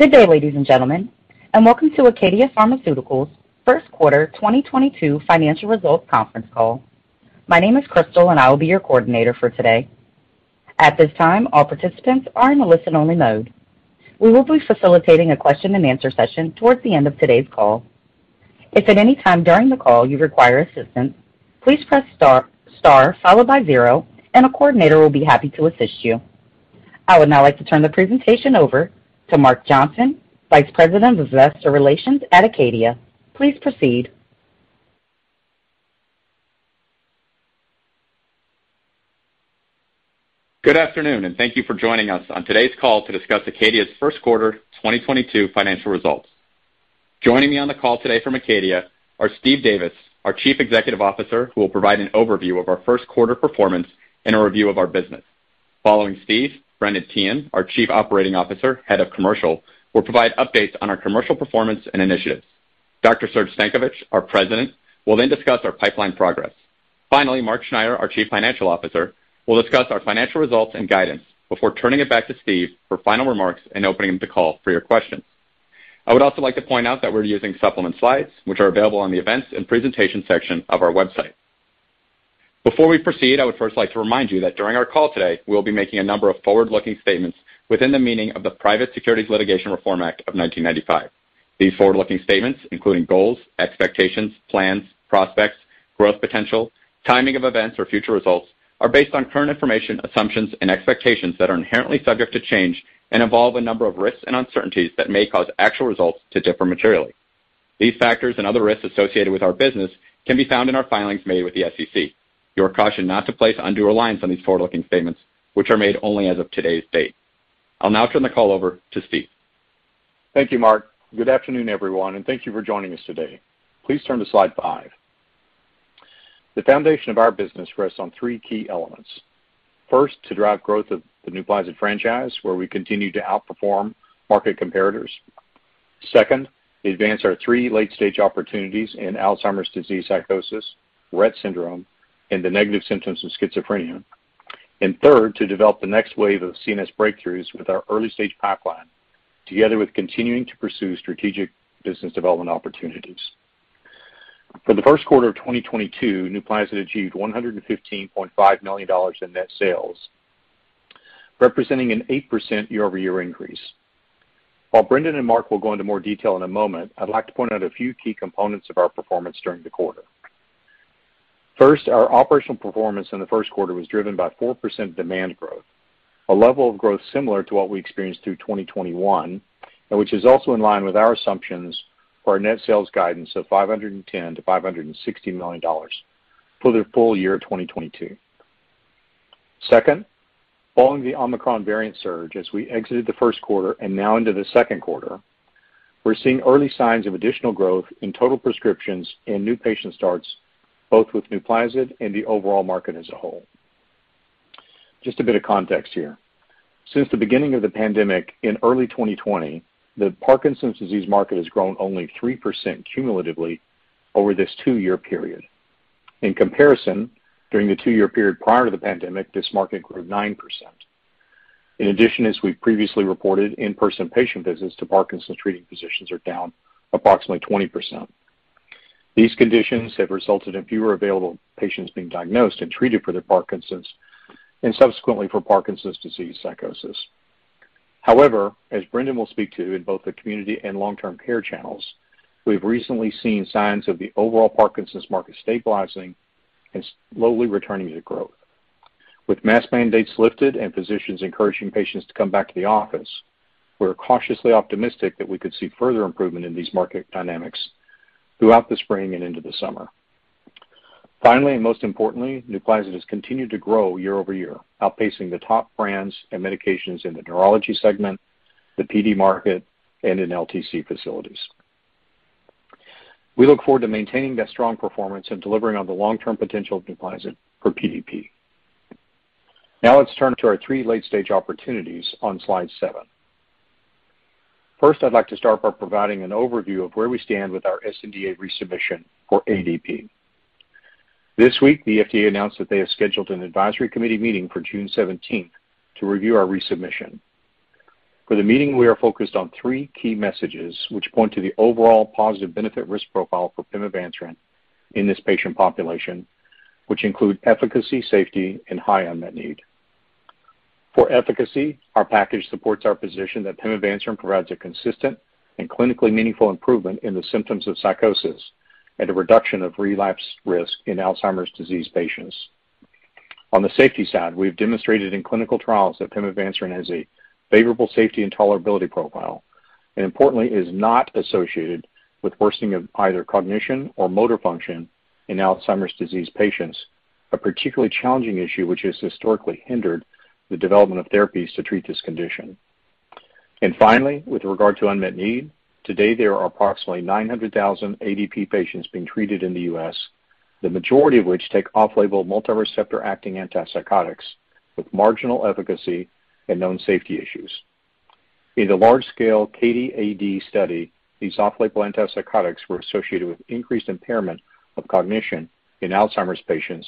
Good day, ladies and gentlemen, and welcome to Acadia Pharmaceuticals' first quarter 2022 financial results conference call. My name is Crystal, and I will be your coordinator for today. At this time, all participants are in a listen-only mode. We will be facilitating a question and answer session towards the end of today's call. If at any time during the call you require assistance, please press star-star followed by zero, and a coordinator will be happy to assist you. I would now like to turn the presentation over to Mark Johnson, Vice President of Investor Relations at Acadia. Please proceed. Good afternoon, and thank you for joining us on today's call to discuss Acadia's first quarter 2022 financial results. Joining me on the call today from Acadia are Steve Davis, our Chief Executive Officer, who will provide an overview of our first quarter performance and a review of our business. Following Steve, Brendan Teehan, our Chief Operating Officer, Head of Commercial, will provide updates on our commercial performance and initiatives. Dr. Serge Stankovic, our President, will then discuss our pipeline progress. Finally, Mark Schneyer, our Chief Financial Officer, will discuss our financial results and guidance before turning it back to Steve for final remarks and opening up the call for your questions. I would also like to point out that we're using supplemental slides, which are available on the events and presentation section of our website. Before we proceed, I would first like to remind you that during our call today, we'll be making a number of forward-looking statements within the meaning of the Private Securities Litigation Reform Act of 1995. These forward-looking statements, including goals, expectations, plans, prospects, growth potential, timing of events or future results are based on current information, assumptions and expectations that are inherently subject to change and involve a number of risks and uncertainties that may cause actual results to differ materially. These factors and other risks associated with our business can be found in our filings made with the SEC. You are cautioned not to place undue reliance on these forward-looking statements, which are made only as of today's date. I'll now turn the call over to Steve. Thank you, Mark. Good afternoon, everyone, and thank you for joining us today. Please turn to slide five. The foundation of our business rests on three key elements. First, to drive growth of the NUPLAZID franchise, where we continue to outperform market comparators. Second, to advance our three late-stage opportunities in Alzheimer's disease psychosis, Rett syndrome, and the negative symptoms of schizophrenia. Third, to develop the next wave of CNS breakthroughs with our early-stage pipeline, together with continuing to pursue strategic business development opportunities. For the first quarter of 2022, NUPLAZID achieved $115.5 million in net sales, representing an 8% year-over-year increase. While Brendan and Mark will go into more detail in a moment, I'd like to point out a few key components of our performance during the quarter. First, our operational performance in the first quarter was driven by 4% demand growth, a level of growth similar to what we experienced through 2021 and which is also in line with our assumptions for our net sales guidance of $510 million-$560 million for the full year 2022. Second, following the Omicron variant surge as we exited the first quarter and now into the second quarter, we're seeing early signs of additional growth in total prescriptions and new patient starts, both with NUPLAZID and the overall market as a whole. Just a bit of context here. Since the beginning of the pandemic in early 2020, the Parkinson's disease market has grown only 3% cumulatively over this two-year period. In comparison, during the two-year period prior to the pandemic, this market grew 9%. In addition, as we've previously reported, in-person patient visits to Parkinson's treating physicians are down approximately 20%. These conditions have resulted in fewer available patients being diagnosed and treated for their Parkinson's and subsequently for Parkinson's disease psychosis. However, as Brendan will speak to in both the community and long-term care channels, we've recently seen signs of the overall Parkinson's market stabilizing and slowly returning to growth. With mask mandates lifted and physicians encouraging patients to come back to the office, we're cautiously optimistic that we could see further improvement in these market dynamics throughout the spring and into the summer. Finally, and most importantly, NUPLAZID has continued to grow year-over-year, outpacing the top brands and medications in the neurology segment, the PD market, and in LTC facilities. We look forward to maintaining that strong performance and delivering on the long-term potential of NUPLAZID for PDP. Now let's turn to our three late-stage opportunities on slide seven. First, I'd like to start by providing an overview of where we stand with our sNDA resubmission for ADP. This week, the FDA announced that they have scheduled an advisory committee meeting for June 17th to review our resubmission. For the meeting, we are focused on three key messages which point to the overall positive benefit risk profile for pimavanserin in this patient population, which include efficacy, safety, and high unmet need. For efficacy, our package supports our position that pimavanserin provides a consistent and clinically meaningful improvement in the symptoms of psychosis and a reduction of relapse risk in Alzheimer's disease patients. On the safety side, we've demonstrated in clinical trials that pimavanserin has a favorable safety and tolerability profile, and importantly, is not associated with worsening of either cognition or motor function in Alzheimer's disease patients, a particularly challenging issue which has historically hindered the development of therapies to treat this condition. Finally, with regard to unmet need, today there are approximately 900,000 ADP patients being treated in the U.S., the majority of which take off-label multi-receptor acting antipsychotics with marginal efficacy and known safety issues. In the large-scale CATIE-AD study, these off-label antipsychotics were associated with increased impairment of cognition in Alzheimer's patients,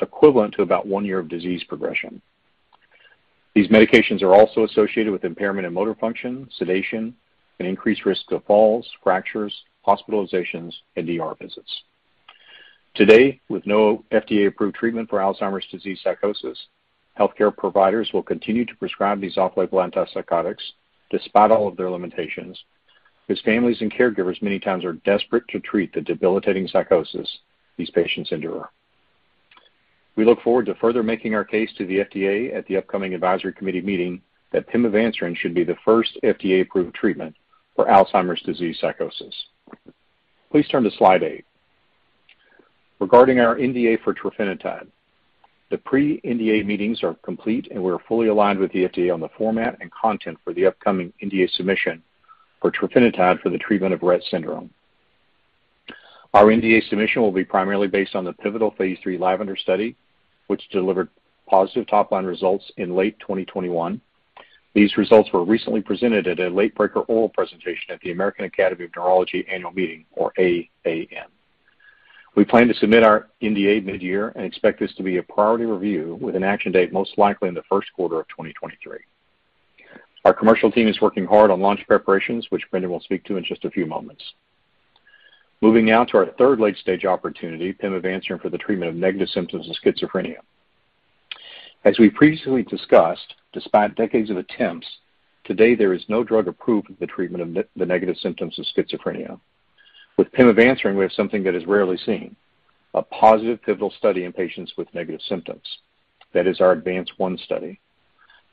equivalent to about one year of disease progression. These medications are also associated with impairment in motor function, sedation, and increased risk of falls, fractures, hospitalizations, and ER visits. Today, with no FDA-approved treatment for Alzheimer's disease psychosis, healthcare providers will continue to prescribe these off-label antipsychotics despite all of their limitations, as families and caregivers many times are desperate to treat the debilitating psychosis these patients endure. We look forward to further making our case to the FDA at the upcoming advisory committee meeting that pimavanserin should be the first FDA-approved treatment for Alzheimer's disease psychosis. Please turn to slide eight. Regarding our NDA for trofinetide, the pre-NDA meetings are complete, and we are fully aligned with the FDA on the format and content for the upcoming NDA submission for trofinetide for the treatment of Rett syndrome. Our NDA submission will be primarily based on the pivotal phase III Lavender study, which delivered positive top-line results in late 2021. These results were recently presented at a late-breaker oral presentation at the American Academy of Neurology annual meeting, or AAN. We plan to submit our NDA mid-year and expect this to be a priority review with an action date most likely in the first quarter of 2023. Our commercial team is working hard on launch preparations, which Brendan will speak to in just a few moments. Moving now to our third late-stage opportunity, pimavanserin for the treatment of negative symptoms of schizophrenia. As we previously discussed, despite decades of attempts, today there is no drug approved for the treatment of the negative symptoms of schizophrenia. With pimavanserin, we have something that is rarely seen, a positive pivotal study in patients with negative symptoms. That is our ADVANCE-1 study.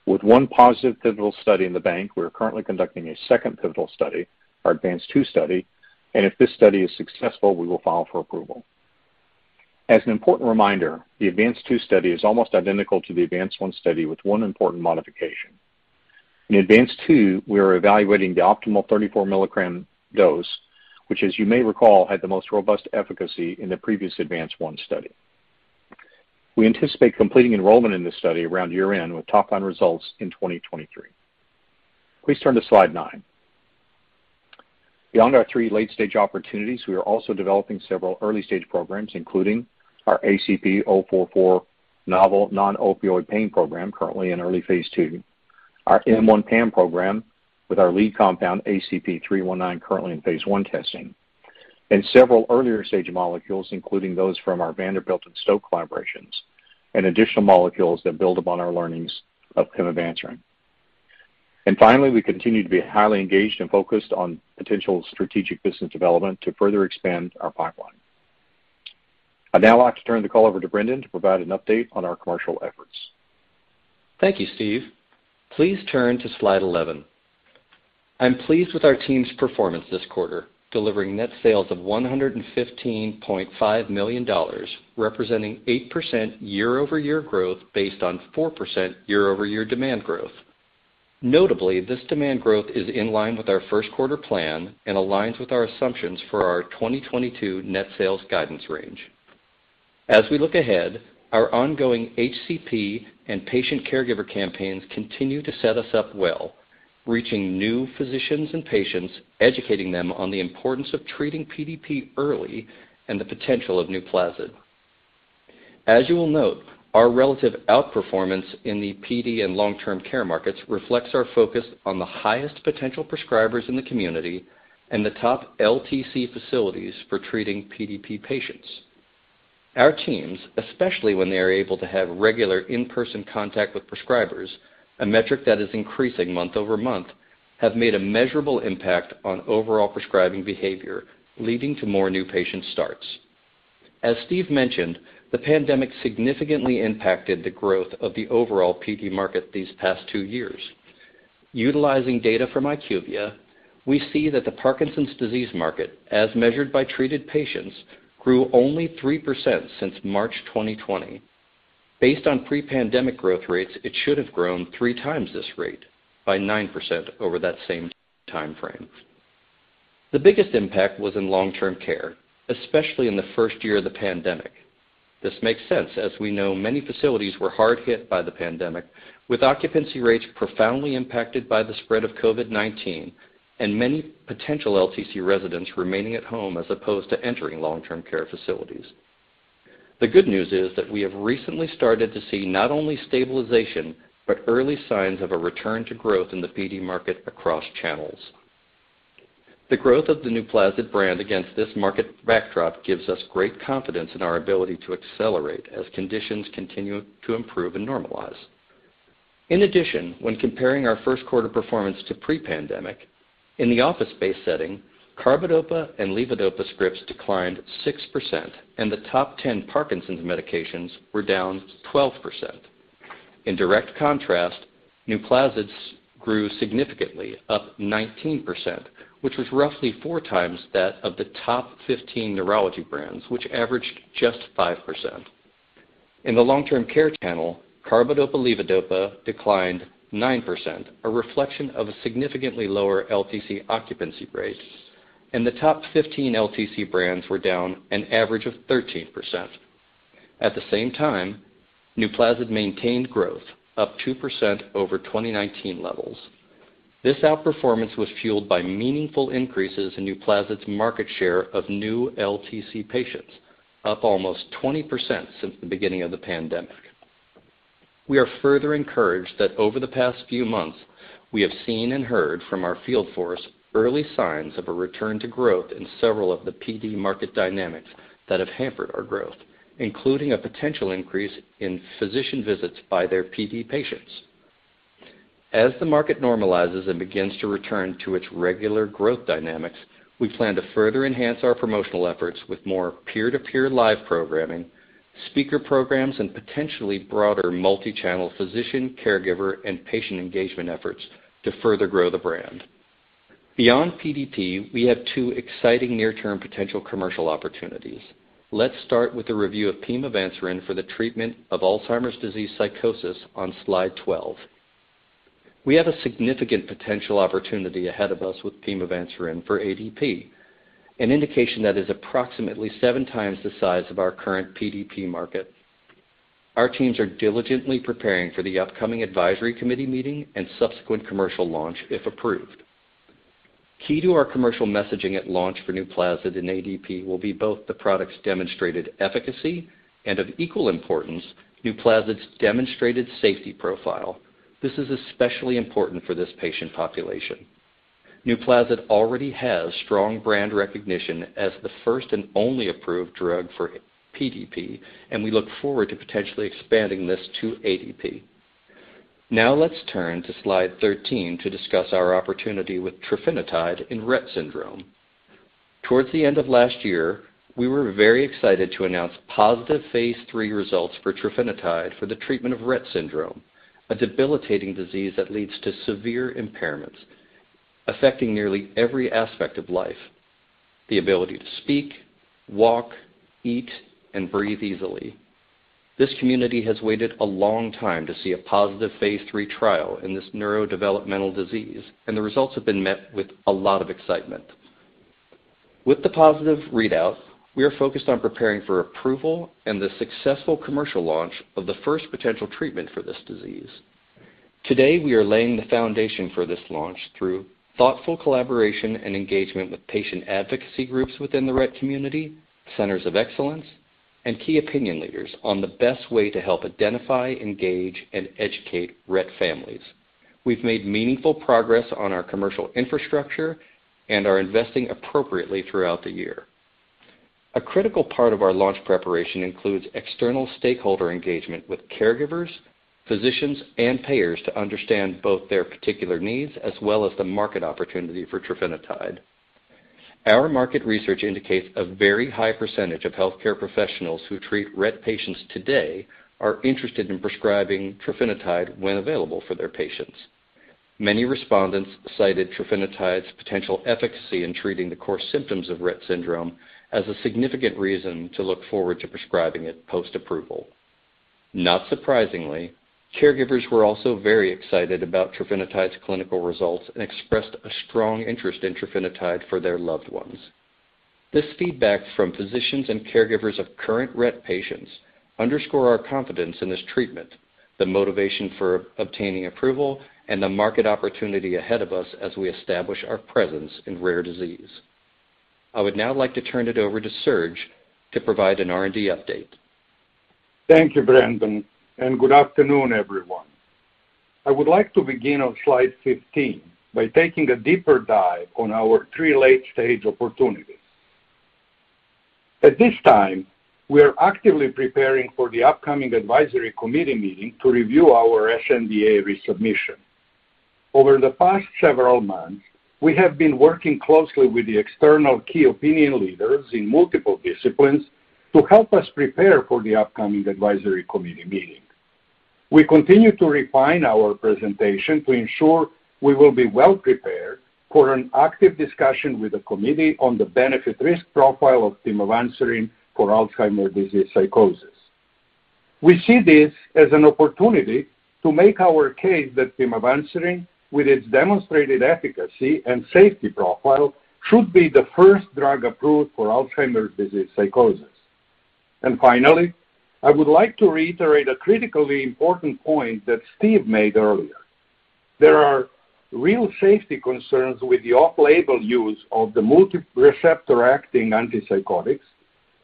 With one positive pivotal study in the bank, we are currently conducting a second pivotal study, our ADVANCE-2 study, and if this study is successful, we will file for approval. As an important reminder, the ADVANCE-2 study is almost identical to the ADVANCE-1 study with one important modification. In ADVANCE-2, we are evaluating the optimal 34-mg dose, which, as you may recall, had the most robust efficacy in the previous ADVANCE-1 study. We anticipate completing enrollment in this study around year-end with top-line results in 2023. Please turn to slide 9. Beyond our three late-stage opportunities, we are also developing several early-stage programs, including our ACP-044 novel non-opioid pain program, currently in early phase II. Our M1 PAM program with our lead compound ACP-319 currently in phase I testing. Several earlier-stage molecules, including those from our Vanderbilt and Stoke collaborations, and additional molecules that build upon our learnings of pimavanserin. Finally, we continue to be highly engaged and focused on potential strategic business development to further expand our pipeline. I'd now like to turn the call over to Brendan to provide an update on our commercial efforts. Thank you, Steve. Please turn to slide 11. I'm pleased with our team's performance this quarter, delivering net sales of $115.5 million, representing 8% year-over-year growth based on 4% year-over-year demand growth. Notably, this demand growth is in line with our first quarter plan and aligns with our assumptions for our 2022 net sales guidance range. As we look ahead, our ongoing HCP and patient caregiver campaigns continue to set us up well, reaching new physicians and patients, educating them on the importance of treating PDP early and the potential of NUPLAZID. As you will note, our relative outperformance in the PD and long-term care markets reflects our focus on the highest potential prescribers in the community and the top LTC facilities for treating PDP patients. Our teams, especially when they are able to have regular in-person contact with prescribers, a metric that is increasing month-over-month, have made a measurable impact on overall prescribing behavior, leading to more new patient starts. As Steve mentioned, the pandemic significantly impacted the growth of the overall PD market these past two years. Utilizing data from IQVIA, we see that the Parkinson's disease market, as measured by treated patients, grew only 3% since March 2020. Based on pre-pandemic growth rates, it should have grown 3x this rate by 9% over that same time frame. The biggest impact was in long-term care, especially in the first year of the pandemic. This makes sense as we know many facilities were hard hit by the pandemic, with occupancy rates profoundly impacted by the spread of COVID-19 and many potential LTC residents remaining at home as opposed to entering long-term care facilities. The good news is that we have recently started to see not only stabilization, but early signs of a return to growth in the PD market across channels. The growth of the NUPLAZID brand against this market backdrop gives us great confidence in our ability to accelerate as conditions continue to improve and normalize. In addition, when comparing our first quarter performance to pre-pandemic, in the office-based setting, carbidopa and levodopa scripts declined 6%, and the top 10 Parkinson's medications were down 12%. In direct contrast, NUPLAZID's grew significantly, up 19%, which was roughly four times that of the top 15 neurology brands, which averaged just 5%. In the long-term care channel, carbidopa/levodopa declined 9%, a reflection of a significantly lower LTC occupancy rate, and the top 15 LTC brands were down an average of 13%. At the same time, NUPLAZID maintained growth, up 2% over 2019 levels. This outperformance was fueled by meaningful increases in NUPLAZID's market share of new LTC patients, up almost 20% since the beginning of the pandemic. We are further encouraged that over the past few months, we have seen and heard from our field force early signs of a return to growth in several of the PD market dynamics that have hampered our growth, including a potential increase in physician visits by their PD patients. As the market normalizes and begins to return to its regular growth dynamics, we plan to further enhance our promotional efforts with more peer-to-peer live programming, speaker programs, and potentially broader multi-channel physician, caregiver, and patient engagement efforts to further grow the brand. Beyond PDP, we have two exciting near-term potential commercial opportunities. Let's start with a review of pimavanserin for the treatment of Alzheimer's disease psychosis on slide 12. We have a significant potential opportunity ahead of us with pimavanserin for ADP, an indication that is approximately 7x the size of our current PDP market. Our teams are diligently preparing for the upcoming advisory committee meeting and subsequent commercial launch, if approved. Key to our commercial messaging at launch for NUPLAZID and ADP will be both the product's demonstrated efficacy, and of equal importance, NUPLAZID's demonstrated safety profile. This is especially important for this patient population. NUPLAZID already has strong brand recognition as the first and only approved drug for PDP, and we look forward to potentially expanding this to ADP. Now let's turn to slide 13 to discuss our opportunity with trofinetide in Rett syndrome. Towards the end of last year, we were very excited to announce positive phase III results for trofinetide for the treatment of Rett syndrome, a debilitating disease that leads to severe impairments, affecting nearly every aspect of life. The ability to speak, walk, eat, and breathe easily. This community has waited a long time to see a positive phase III trial in this neurodevelopmental disease, and the results have been met with a lot of excitement. With the positive readout, we are focused on preparing for approval and the successful commercial launch of the first potential treatment for this disease. Today, we are laying the foundation for this launch through thoughtful collaboration and engagement with patient advocacy groups within the Rett community, centers of excellence, and key opinion leaders on the best way to help identify, engage, and educate Rett families. We've made meaningful progress on our commercial infrastructure and are investing appropriately throughout the year. A critical part of our launch preparation includes external stakeholder engagement with caregivers, physicians, and payers to understand both their particular needs as well as the market opportunity for trofinetide. Our market research indicates a very high percentage of healthcare professionals who treat Rett patients today are interested in prescribing trofinetide when available for their patients. Many respondents cited trofinetide's potential efficacy in treating the core symptoms of Rett syndrome as a significant reason to look forward to prescribing it post-approval. Not surprisingly, caregivers were also very excited about trofinetide's clinical results and expressed a strong interest in trofinetide for their loved ones. This feedback from physicians and caregivers of current Rett patients underscore our confidence in this treatment, the motivation for obtaining approval, and the market opportunity ahead of us as we establish our presence in rare disease. I would now like to turn it over to Serge to provide an R&D update. Thank you, Brendan, and good afternoon, everyone. I would like to begin on slide 15 by taking a deeper dive on our three late-stage opportunities. At this time, we are actively preparing for the upcoming advisory committee meeting to review our sNDA resubmission. Over the past several months, we have been working closely with the external key opinion leaders in multiple disciplines to help us prepare for the upcoming advisory committee meeting. We continue to refine our presentation to ensure we will be well prepared for an active discussion with the committee on the benefit risk profile of pimavanserin for Alzheimer's disease psychosis. We see this as an opportunity to make our case that pimavanserin, with its demonstrated efficacy and safety profile, should be the first drug approved for Alzheimer's disease psychosis. Finally, I would like to reiterate a critically important point that Steve made earlier. There are real safety concerns with the off-label use of the multi-receptor-acting antipsychotics,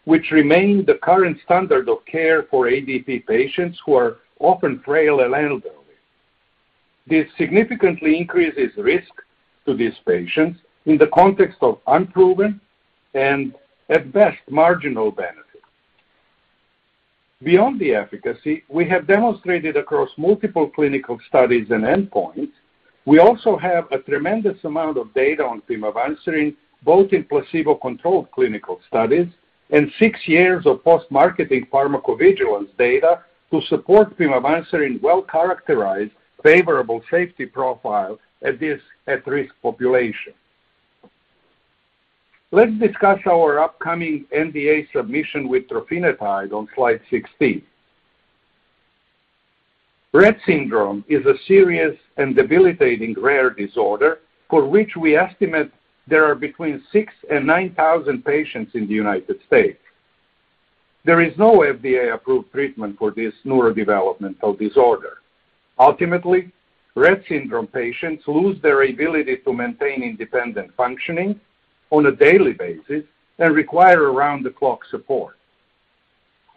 which remain the current standard of care for ADP patients who are often frail and elderly. This significantly increases risk to these patients in the context of unproven and, at best, marginal benefit. Beyond the efficacy we have demonstrated across multiple clinical studies and endpoints, we also have a tremendous amount of data on pimavanserin, both in placebo-controlled clinical studies and six years of post-marketing pharmacovigilance data to support pimavanserin's well-characterized favorable safety profile in this at-risk population. Let's discuss our upcoming NDA submission with trofinetide on slide 16. Rett syndrome is a serious and debilitating rare disorder for which we estimate there are between 6,000 patients and 9,000 patients in the United States. There is no FDA-approved treatment for this neurodevelopmental disorder. Ultimately, Rett syndrome patients lose their ability to maintain independent functioning on a daily basis and require around-the-clock support.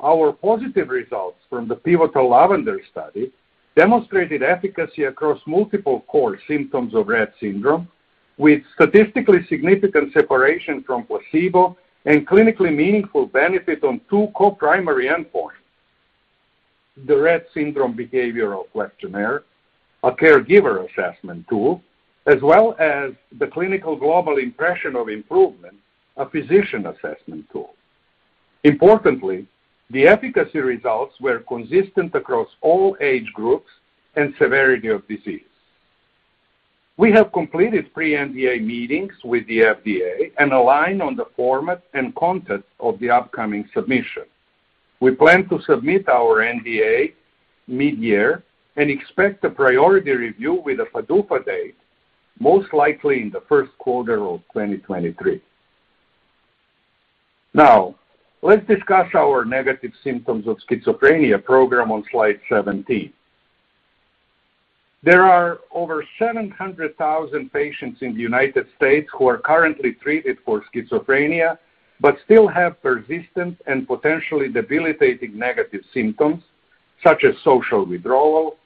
Our positive results from the pivotal Lavender study demonstrated efficacy across multiple core symptoms of Rett syndrome, with statistically significant separation from placebo and clinically meaningful benefit on two co-primary endpoints, the Rett Syndrome Behavioral Questionnaire, a caregiver assessment tool, as well as the Clinical Global Impression of Improvement, a physician assessment tool. Importantly, the efficacy results were consistent across all age groups and severity of disease. We have completed pre-NDA meetings with the FDA and aligned on the format and content of the upcoming submission. We plan to submit our NDA mid-year and expect a priority review with a PDUFA date, most likely in the first quarter of 2023. Now, let's discuss our negative symptoms of schizophrenia program on slide 17. There are over 700,000 patients in the United States who are currently treated for schizophrenia but still have persistent and potentially debilitating negative symptoms such as social withdrawal,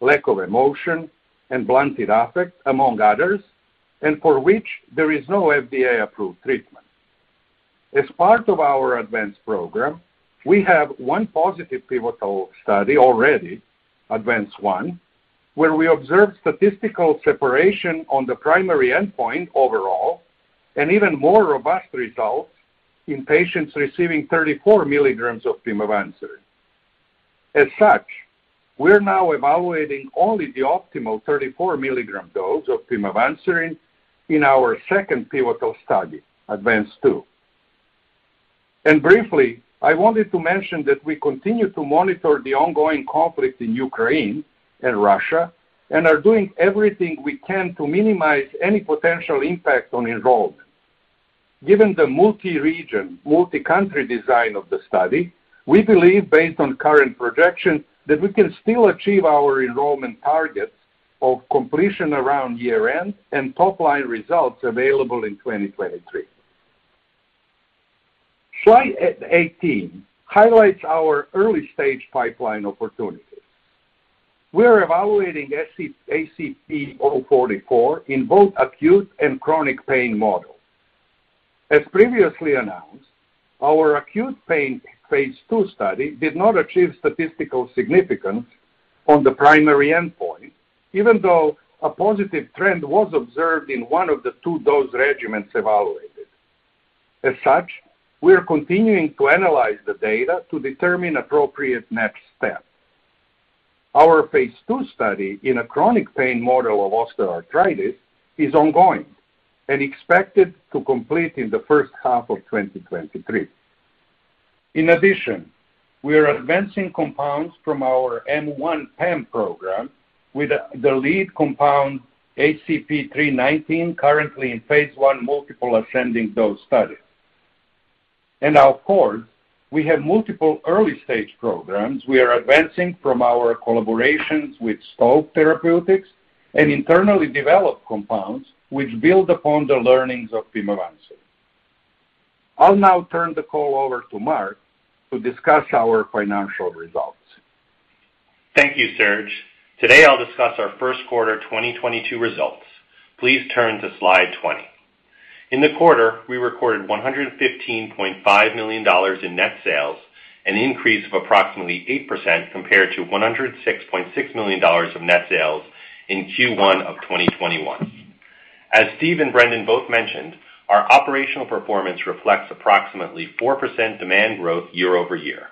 lack of emotion, and blunted affect, among others, and for which there is no FDA-approved treatment. As part of our ADVANCE program, we have one positive pivotal study already, ADVANCE-1, where we observed statistical separation on the primary endpoint overall and even more robust results in patients receiving 34 mg of pimavanserin. As such, we're now evaluating only the optimal 34 mg dose of pimavanserin in our second pivotal study, ADVANCE-2. Briefly, I wanted to mention that we continue to monitor the ongoing conflict in Ukraine and Russia and are doing everything we can to minimize any potential impact on enrollment. Given the multi-region, multi-country design of the study, we believe, based on current projections, that we can still achieve our enrollment targets of completion around year-end and top-line results available in 2023. Slide 18 highlights our early-stage pipeline opportunities. We are evaluating ACP-044 in both acute and chronic pain models. As previously announced, our acute pain phase II study did not achieve statistical significance on the primary endpoint, even though a positive trend was observed in one of the two dose regimens evaluated. As such, we are continuing to analyze the data to determine appropriate next steps. Our phase II study in a chronic pain model of osteoarthritis is ongoing and expected to complete in the first half of 2023. In addition, we are advancing compounds from our M1 PAM program with the lead compound, ACP-319, currently in phase I multiple ascending dose studies. Of course, we have multiple early-stage programs we are advancing from our collaborations with Stoke Therapeutics and internally developed compounds which build upon the learnings of pimavanserin. I'll now turn the call over to Mark to discuss our financial results. Thank you, Serge. Today, I'll discuss our first quarter 2022 results. Please turn to slide 20. In the quarter, we recorded $115.5 million in net sales, an increase of approximately 8% compared to $106.6 million of net sales in Q1 of 2021. As Steve and Brendan both mentioned, our operational performance reflects approximately 4% demand growth year-over-year.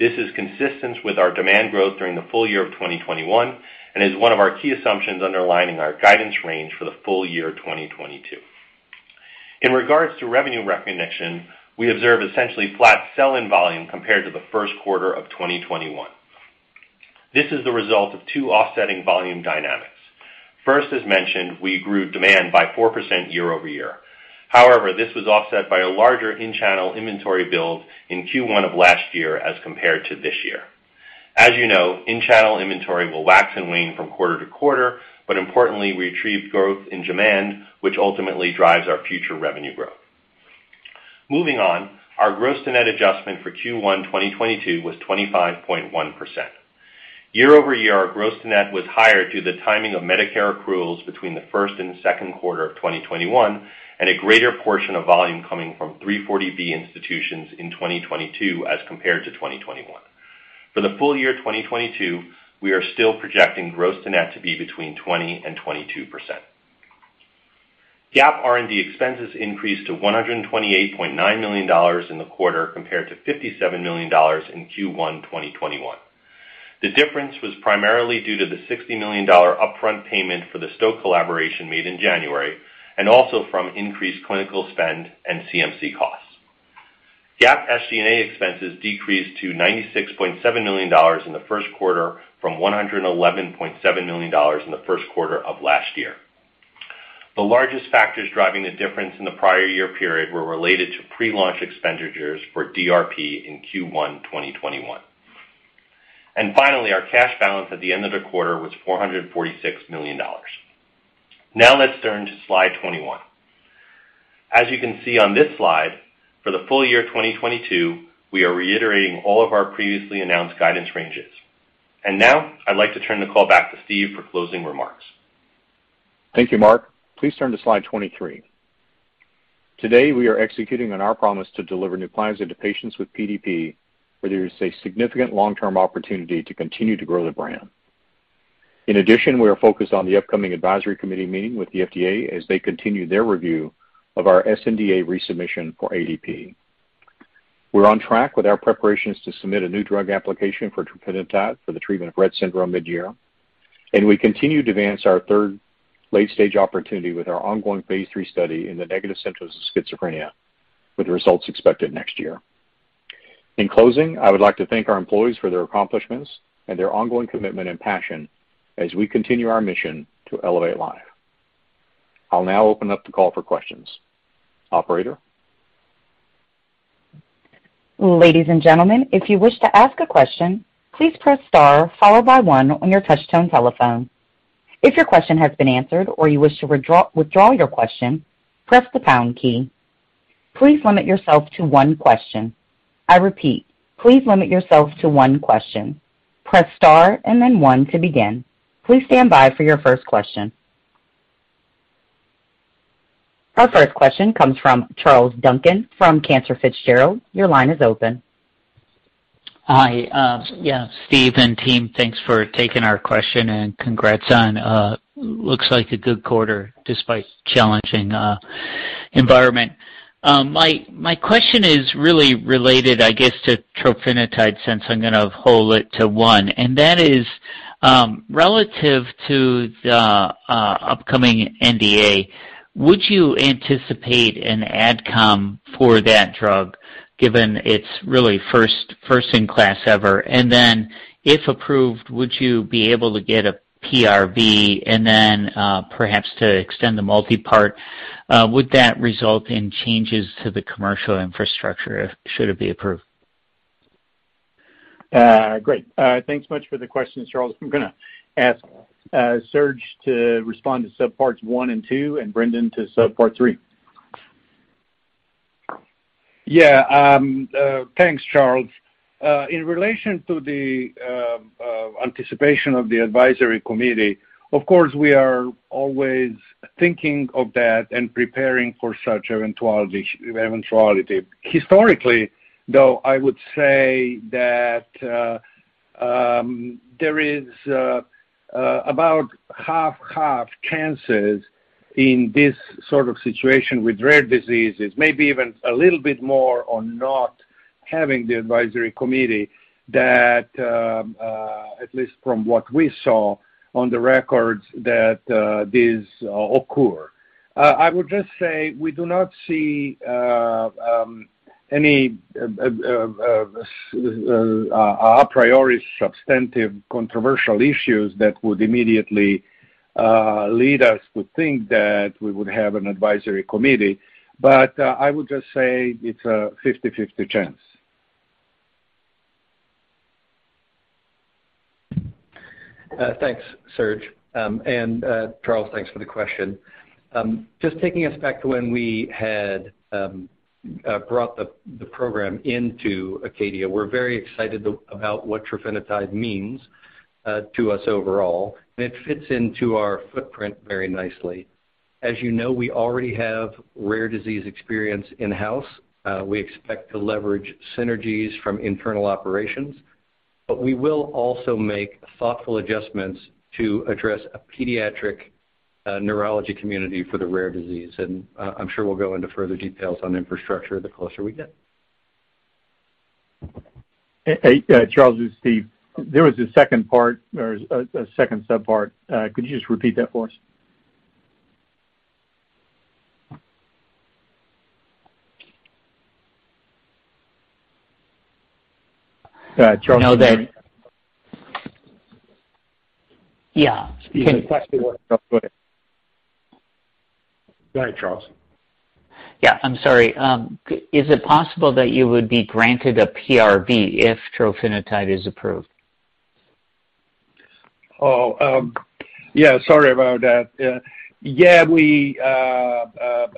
This is consistent with our demand growth during the full year of 2021 and is one of our key assumptions underlining our guidance range for the full year 2022. In regards to revenue recognition, we observe essentially flat sell-in volume compared to the first quarter of 2021. This is the result of two offsetting volume dynamics. First, as mentioned, we grew demand by 4% year-over-year. However, this was offset by a larger in-channel inventory build in Q1 of last year as compared to this year. As you know, in-channel inventory will wax and wane from quarter to quarter, but importantly, we achieved growth in demand, which ultimately drives our future revenue growth. Moving on, our gross to net adjustment for Q1 2022 was 25.1%. Year-over-year, our gross to net was higher due to the timing of Medicare accruals between the first and second quarter of 2021 and a greater portion of volume coming from 340B institutions in 2022 as compared to 2021. For the full year 2022, we are still projecting gross to net to be between 20%-22%. GAAP R&D expenses increased to $128.9 million in the quarter compared to $57 million in Q1 2021. The difference was primarily due to the $60 million upfront payment for the Stoke collaboration made in January and also from increased clinical spend and CMC costs. GAAP SG&A expenses decreased to $96.7 million in the first quarter from $111.7 million in the first quarter of last year. The largest factors driving the difference in the prior year period were related to pre-launch expenditures for DRP in Q1 2021. Finally, our cash balance at the end of the quarter was $446 million. Now let's turn to slide 21. As you can see on this slide, for the full year 2022, we are reiterating all of our previously announced guidance ranges. Now I'd like to turn the call back to Steve for closing remarks. Thank you, Mark. Please turn to slide 23. Today, we are executing on our promise to deliver NUPLAZID to patients with PDP, where there is a significant long-term opportunity to continue to grow the brand. In addition, we are focused on the upcoming advisory committee meeting with the FDA as they continue their review of our sNDA resubmission for ADP. We're on track with our preparations to submit a new drug application for trofinetide for the treatment of Rett syndrome mid-year, and we continue to advance our third late-stage opportunity with our ongoing phase III study in the negative symptoms of schizophrenia, with results expected next year. In closing, I would like to thank our employees for their accomplishments and their ongoing commitment and passion as we continue our mission to elevate life. I'll now open up the call for questions. Operator? Ladies and gentlemen, if you wish to ask a question, please press star followed by one on your touch-tone telephone. If your question has been answered or you wish to withdraw your question, press the pound key. Please limit yourself to one question. I repeat, please limit yourself to one question. Press star and then one to begin. Please stand by for your first question. Our first question comes from Charles Duncan from Cantor Fitzgerald. Your line is open. Hi. Yeah, Steve and team, thanks for taking our question, and congrats on looks like a good quarter despite challenging environment. My question is really related, I guess, to trofinetide, since I'm gonna hold it to one, and that is relative to the upcoming NDA. Would you anticipate an AdCom for that drug given it's really first in class ever? Then if approved, would you be able to get a PRV, and then perhaps to extend the multipart would that result in changes to the commercial infrastructure should it be approved? Great. Thanks much for the question, Charles. I'm gonna ask Serge to respond to subparts one and two and Brendan to subpart three. Yeah. Thanks, Charles. In relation to the anticipation of the advisory committee, of course, we are always thinking of that and preparing for such eventuality. Historically, though, I would say that there is about 50/50 chances in this sort of situation with rare diseases, maybe even a little bit more on not having the advisory committee that at least from what we saw on the records, that this occurs. I would just say we do not see any a priori substantive controversial issues that would immediately lead us to think that we would have an advisory committee. I would just say it's a 50/50 chance. Thanks, Serge. Charles, thanks for the question. Just taking us back to when we had brought the program into Acadia, we're very excited about what trofinetide means to us overall, and it fits into our footprint very nicely. As you know, we already have rare disease experience in-house. We expect to leverage synergies from internal operations, but we will also make thoughtful adjustments to address a pediatric neurology community for the rare disease. I'm sure we'll go into further details on infrastructure the closer we get. Hey, Charles. It's Steve. There was a second part or a second subpart. Could you just repeat that for us? Charles. You know that. Yeah. Go ahead, Charles. Yeah. I'm sorry. Is it possible that you would be granted a PRV if trofinetide is approved? Sorry about that. We have a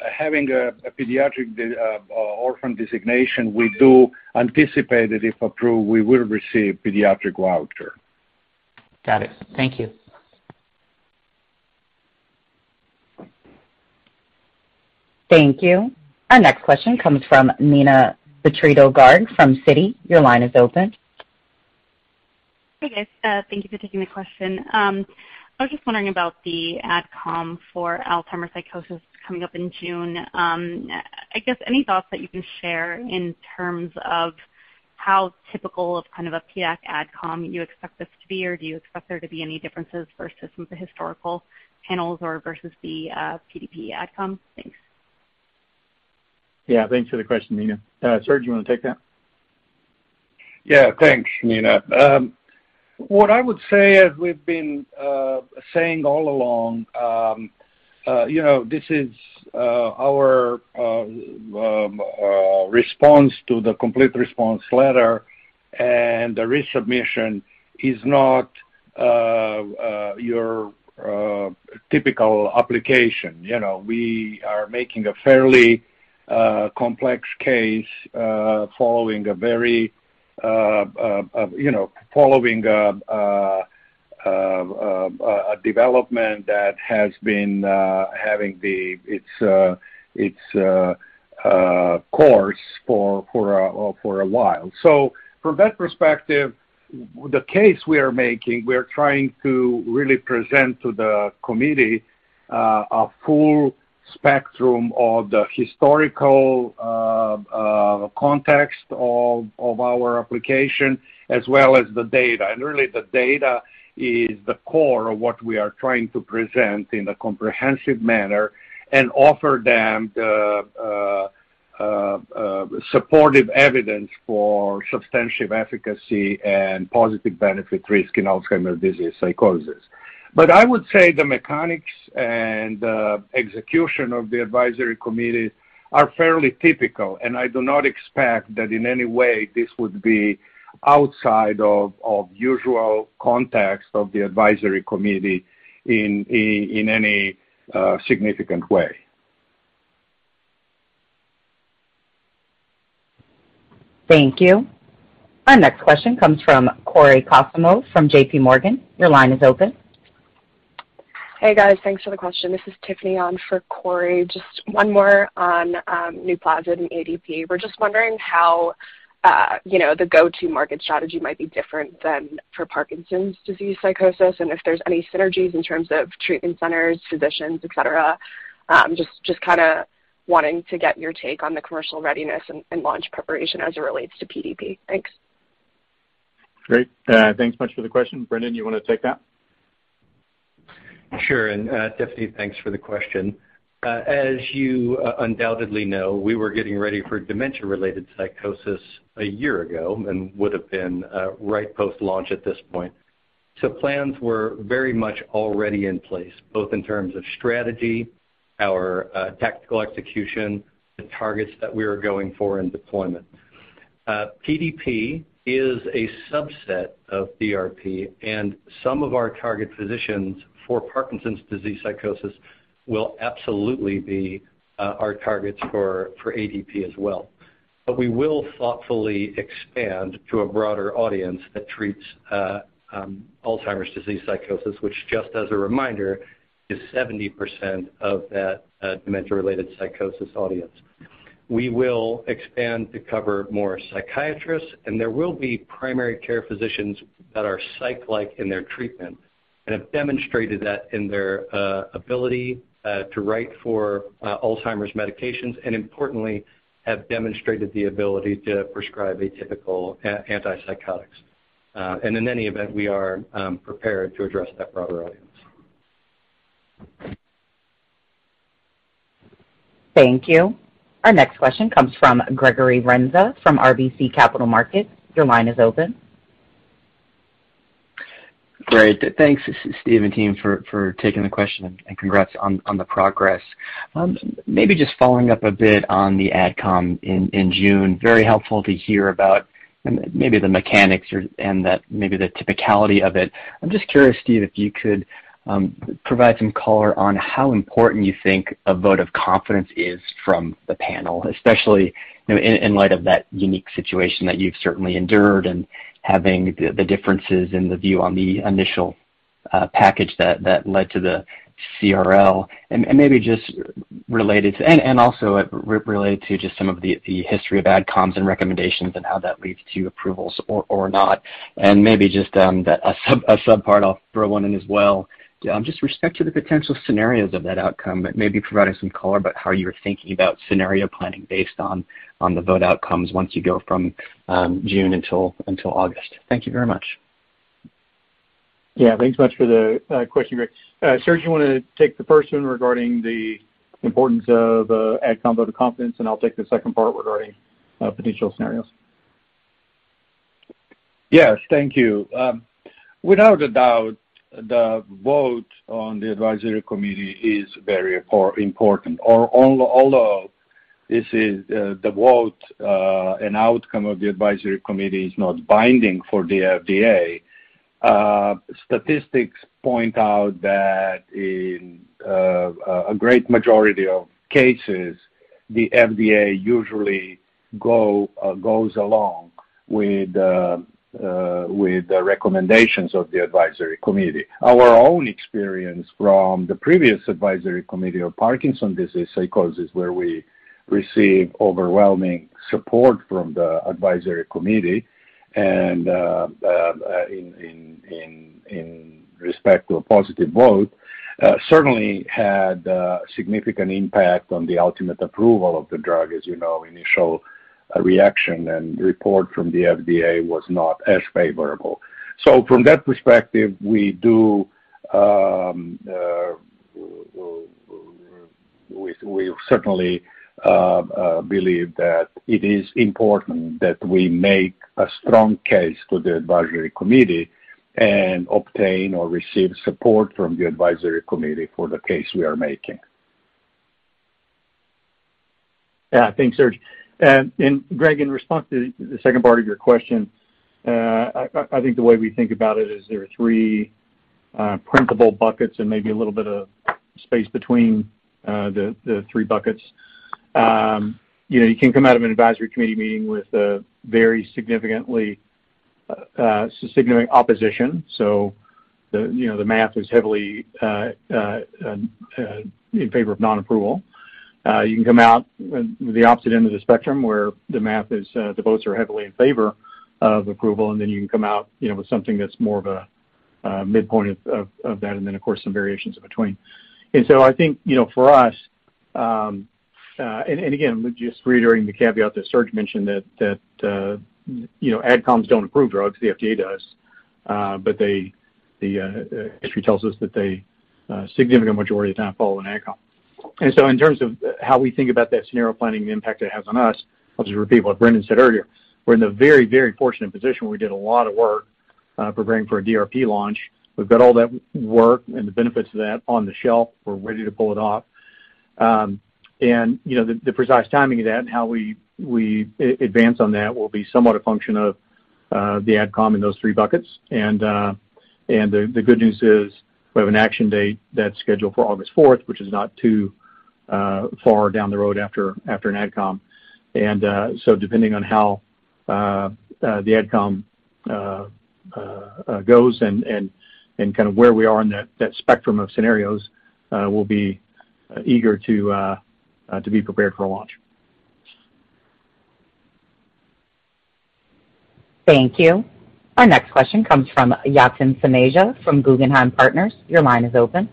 pediatric orphan designation. We do anticipate that if approved, we will receive pediatric voucher. Got it. Thank you. Thank you. Our next question comes from Neena Bitritto-Garg from Citi. Your line is open. Hey, guys. Thank you for taking the question. I was just wondering about the AdCom for Alzheimer's psychosis coming up in June. I guess any thoughts that you can share in terms of how typical of kind of a pediatric AdCom you expect this to be, or do you expect there to be any differences versus some of the historical panels or versus the PDP AdCom? Thanks. Yeah, thanks for the question, Neena. Serge, you wanna take that? Yeah. Thanks, Neena. What I would say, as we've been saying all along, you know, this is our response to the complete response letter and the resubmission is not your typical application. You know, we are making a fairly complex case following a development that has been having its course for a while. From that perspective, the case we are making, we are trying to really present to the committee a full spectrum of the historical context of our application as well as the data. Really, the data is the core of what we are trying to present in a comprehensive manner and offer them the supportive evidence for substantive efficacy and positive benefit risk in Alzheimer's disease psychosis. I would say the mechanics and the execution of the advisory committee are fairly typical, and I do not expect that in any way this would be outside of usual context of the advisory committee in any significant way. Thank you. Our next question comes from Cory Kasimov from JPMorgan. Your line is open. Hey, guys. Thanks for the question. This is Tiffany on for Cory. Just one more on NUPLAZID and ADP. We're just wondering how the go-to market strategy might be different than for Parkinson's disease psychosis, and if there's any synergies in terms of treatment centers, physicians, et cetera. Just kinda wanting to get your take on the commercial readiness and launch preparation as it relates to PDP. Thanks. Great. Thanks much for the question. Brendan, you wanna take that? Sure. Tiffany, thanks for the question. As you undoubtedly know, we were getting ready for dementia-related psychosis a year ago and would have been right post-launch at this point. Plans were very much already in place, both in terms of strategy, our tactical execution, the targets that we were going for in deployment. PDP is a subset of DRP, and some of our target physicians for Parkinson's disease psychosis will absolutely be our targets for ADP as well. We will thoughtfully expand to a broader audience that treats Alzheimer's disease psychosis, which just as a reminder, is 70% of that dementia-related psychosis audience. We will expand to cover more psychiatrists, and there will be primary care physicians that are psych-like in their treatment and have demonstrated that in their ability to write for Alzheimer's medications and importantly, have demonstrated the ability to prescribe atypical antipsychotics. In any event, we are prepared to address that broader audience. Thank you. Our next question comes from Gregory Renza from RBC Capital Markets. Your line is open. Great. Thanks, Steve and team, for taking the question and congrats on the progress. Maybe just following up a bit on the AdCom in June. Very helpful to hear about and maybe the mechanics and that maybe the typicality of it. I'm just curious, Steve, if you could provide some color on how important you think a vote of confidence is from the panel, especially, you know, in light of that unique situation that you've certainly endured and having the differences in the view on the initial package that led to the CRL. Maybe just related to some of the history of AdComs and recommendations and how that leads to approvals or not. Maybe just a sub part I'll throw one in as well. Just with respect to the potential scenarios of that outcome, but maybe providing some color about how you're thinking about scenario planning based on the vote outcomes once you go from June until August. Thank you very much. Yeah. Thanks much for the question, Greg. Serge, you wanna take the first one regarding the importance of AdCom vote of confidence, and I'll take the second part regarding potential scenarios. Yes. Thank you. Without a doubt, the vote on the advisory committee is very important. Although this is the vote and outcome of the advisory committee is not binding for the FDA, statistics point out that in a great majority of cases, the FDA usually goes along with the recommendations of the advisory committee. Our own experience from the previous advisory committee of Parkinson's disease psychosis, where we received overwhelming support from the advisory committee and in respect to a positive vote, certainly had a significant impact on the ultimate approval of the drug. As you know, initial reaction and report from the FDA was not as favorable. From that perspective, we certainly believe that it is important that we make a strong case to the advisory committee and obtain or receive support from the advisory committee for the case we are making. Yeah. Thanks, Serge. Greg, in response to the second part of your question, I think the way we think about it is there are three principal buckets and maybe a little bit of space between the three buckets. You know, you can come out of an advisory committee meeting with a very significantly signaling opposition. The math is heavily in favor of non-approval. You can come out with the opposite end of the spectrum where the math is, the votes are heavily in favor of approval, and then you can come out, you know, with something that's more of a midpoint of that, and then of course, some variations in between. I think, you know, for us, and again, just reiterating the caveat that Serge mentioned that, you know, AdComs don't approve drugs, the FDA does. But the history tells us that they a significant majority of the time follow an AdCom. In terms of how we think about that scenario planning, the impact it has on us, I'll just repeat what Brendan said earlier. We're in a very, very fortunate position where we did a lot of work preparing for a DRP launch. We've got all that work and the benefits of that on the shelf. We're ready to pull it off. And you know, the precise timing of that and how we advance on that will be somewhat a function of the AdCom in those three buckets. The good news is we have an action date that's scheduled for August 4th, which is not too far down the road after an AdCom. Depending on how the AdCom goes and kind of where we are in that spectrum of scenarios, we'll be to be prepared for launch. Thank you. Our next question comes from Yatin Suneja from Guggenheim Partners. Your line is open.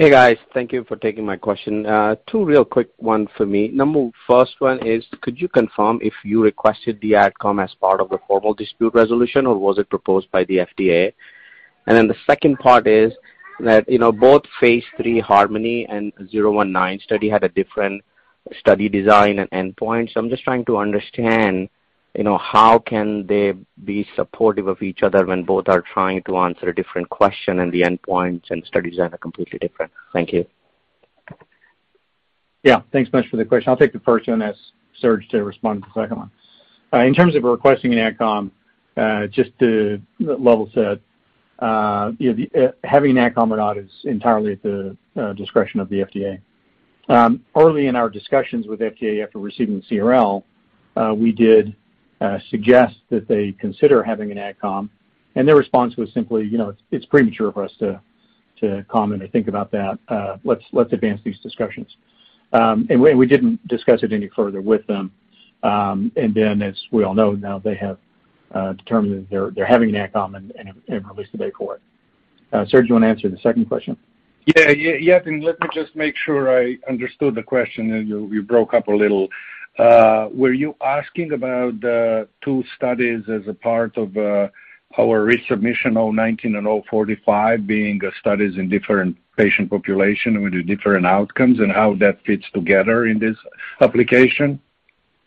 Hey, guys. Thank you for taking my question. Two real quick ones for me. The first one is, could you confirm if you requested the AdCom as part of the formal dispute resolution, or was it proposed by the FDA? The second part is that, you know, both phase III HARMONY and -019 study had a different study design and endpoint. I'm just trying to understand, you know, how can they be supportive of each other when both are trying to answer a different question and the endpoints and studies are completely different? Thank you. Yeah. Thanks much for the question. I'll take the first one as Serge to respond to the second one. In terms of requesting an AdCom, just to level set, you know, the having an AdCom or not is entirely at the discretion of the FDA. Early in our discussions with FDA after receiving the CRL, we did suggest that they consider having an AdCom, and their response was simply, you know, "It's premature for us to comment or think about that. Let's advance these discussions." We didn't discuss it any further with them. As we all know now, they have determined that they're having an AdCom and released the date for it. Serge, do you want to answer the second question? Yeah. Yatin, let me just make sure I understood the question. You broke up a little. Were you asking about two studies as a part of our resubmission, -019 and -045, being studies in different patient population with different outcomes and how that fits together in this application?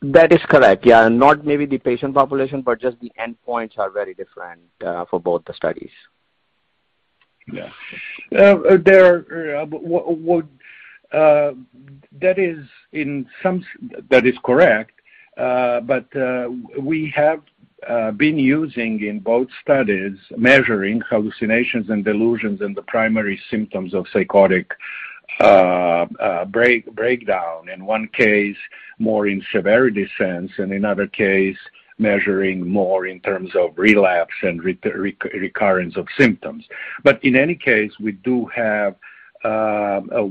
That is correct, yeah. Not maybe the patient population, but just the endpoints are very different, for both the studies. Yeah. That is correct. We have been using in both studies measuring hallucinations and delusions and the primary symptoms of psychotic breakdown. In one case, more in severity sense, and another case measuring more in terms of relapse and recurrence of symptoms. In any case,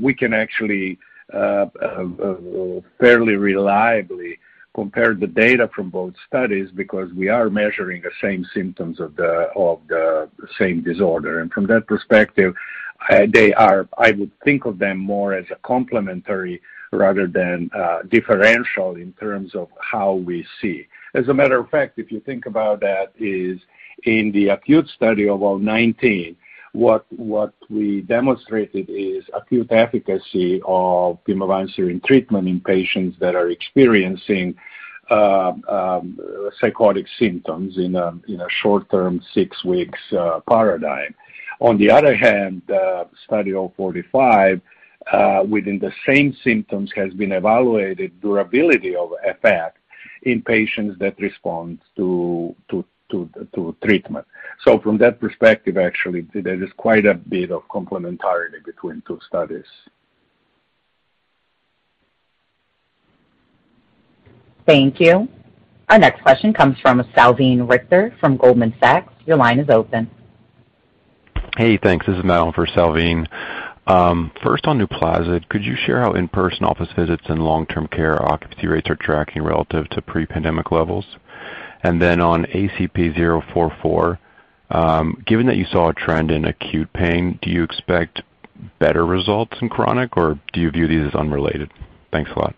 we can actually fairly reliably compare the data from both studies because we are measuring the same symptoms of the same disorder. From that perspective, I would think of them more as complementary rather than differential in terms of how we see. As a matter of fact, if you think about that is in the acute study of -019, what we demonstrated is acute efficacy of pimavanserin treatment in patients that are experiencing psychotic symptoms in a short-term, six-week paradigm. On the other hand, the study -045, within the same symptoms, has been evaluated durability of effect in patients that respond to treatment. From that perspective, actually, there is quite a bit of complementarity between two studies. Thank you. Our next question comes from Salveen Richter from Goldman Sachs. Your line is open. Hey, thanks. This is Niall for Salveen. First on NUPLAZID, could you share how in-person office visits and long-term care occupancy rates are tracking relative to pre-pandemic levels? Then on ACP-044, given that you saw a trend in acute pain, do you expect better results in chronic, or do you view these as unrelated? Thanks a lot.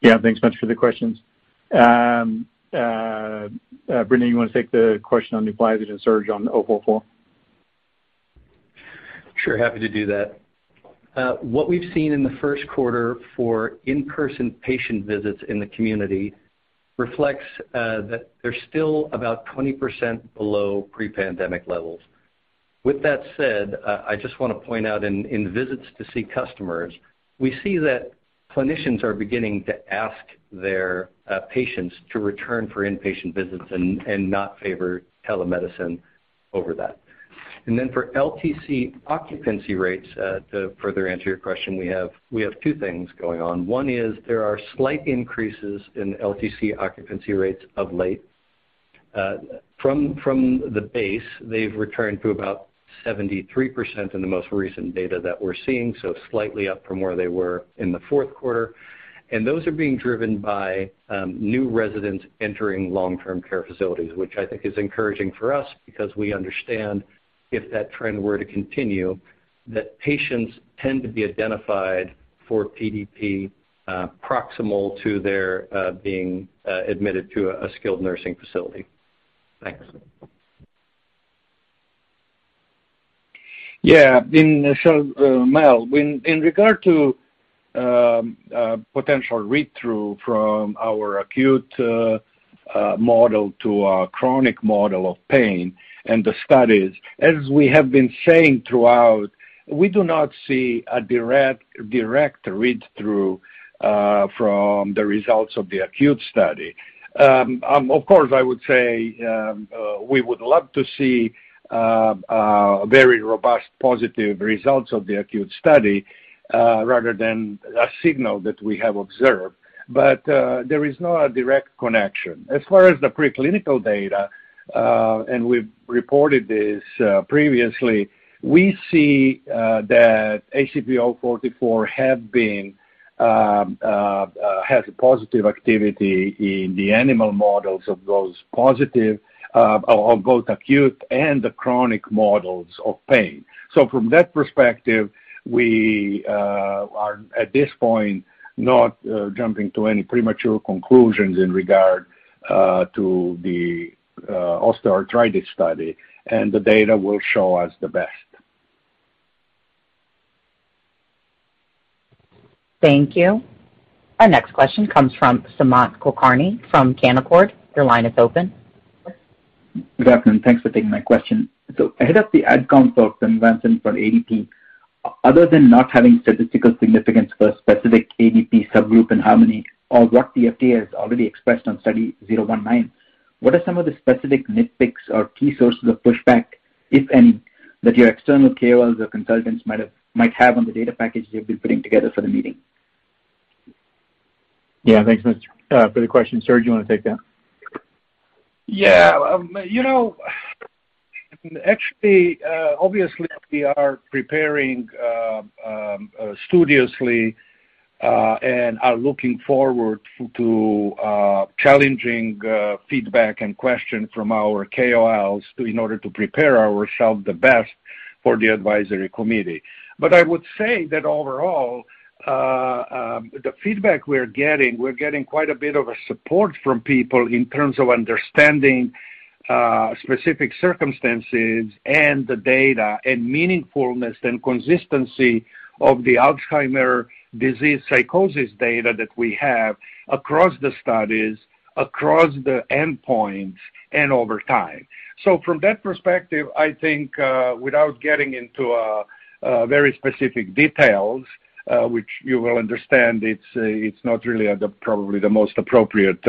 Yeah. Thanks much for the questions. Brendan, you wanna take the question on the NUPLAZID and Serge on the ACP-044? Sure. Happy to do that. What we've seen in the first quarter for in-person patient visits in the community reflects that they're still about 20% below pre-pandemic levels. With that said, I just wanna point out in visits to see customers, we see that clinicians are beginning to ask their patients to return for inpatient visits and not favor telemedicine over that. For LTC occupancy rates, to further answer your question, we have two things going on. One is there are slight increases in LTC occupancy rates of late. From the base, they've returned to about 73% in the most recent data that we're seeing, so slightly up from where they were in the fourth quarter. Those are being driven by new residents entering long-term care facilities, which I think is encouraging for us because we understand, if that trend were to continue, that patients tend to be identified for PDP proximate to their being admitted to a skilled nursing facility. Thanks. Niall, when in regard to potential read-through from our acute model to our chronic model of pain and the studies, as we have been saying throughout, we do not see a direct read-through from the results of the acute study. Of course, I would say, we would love to see very robust positive results of the acute study rather than a signal that we have observed. There is not a direct connection. As far as the preclinical data, and we've reported this previously, we see that ACP-044 has a positive activity in the animal models of both acute and chronic models of pain. From that perspective, we are at this point not jumping to any premature conclusions in regard to the osteoarthritis study, and the data will show us the best. Thank you. Our next question comes from Sumant Kulkarni from Canaccord. Your line is open. Good afternoon. Thanks for taking my question. Ahead of the AdCom on ADVANCE for ADP, other than not having statistical significance for specific ADP subgroup in HARMONY or what the FDA has already expressed on Study -019, what are some of the specific nitpicks or key sources of pushback, if any, that your external KOLs or consultants might have on the data package you've been putting together for the meeting? Yeah. Thanks for the question. Serge, you wanna take that? Yeah. You know, actually, obviously we are preparing studiously and are looking forward to challenging feedback and question from our KOLs in order to prepare ourselves the best for the advisory committee. I would say that overall, the feedback we're getting, we're getting quite a bit of a support from people in terms of understanding specific circumstances and the data and meaningfulness and consistency of the Alzheimer's disease psychosis data that we have across the studies, across the endpoints and over time. From that perspective, I think without getting into very specific details, which you will understand it's not really probably the most appropriate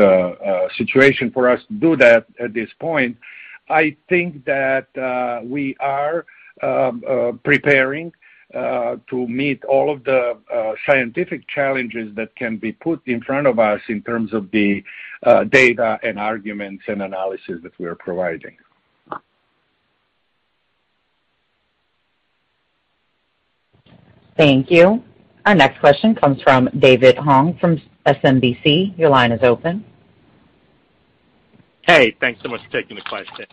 situation for us to do that at this point. I think that we are preparing to meet all of the scientific challenges that can be put in front of us in terms of the data and arguments and analysis that we're providing. Thank you. Our next question comes from David Hong from SMBC. Your line is open. Hey, thanks so much for taking the question.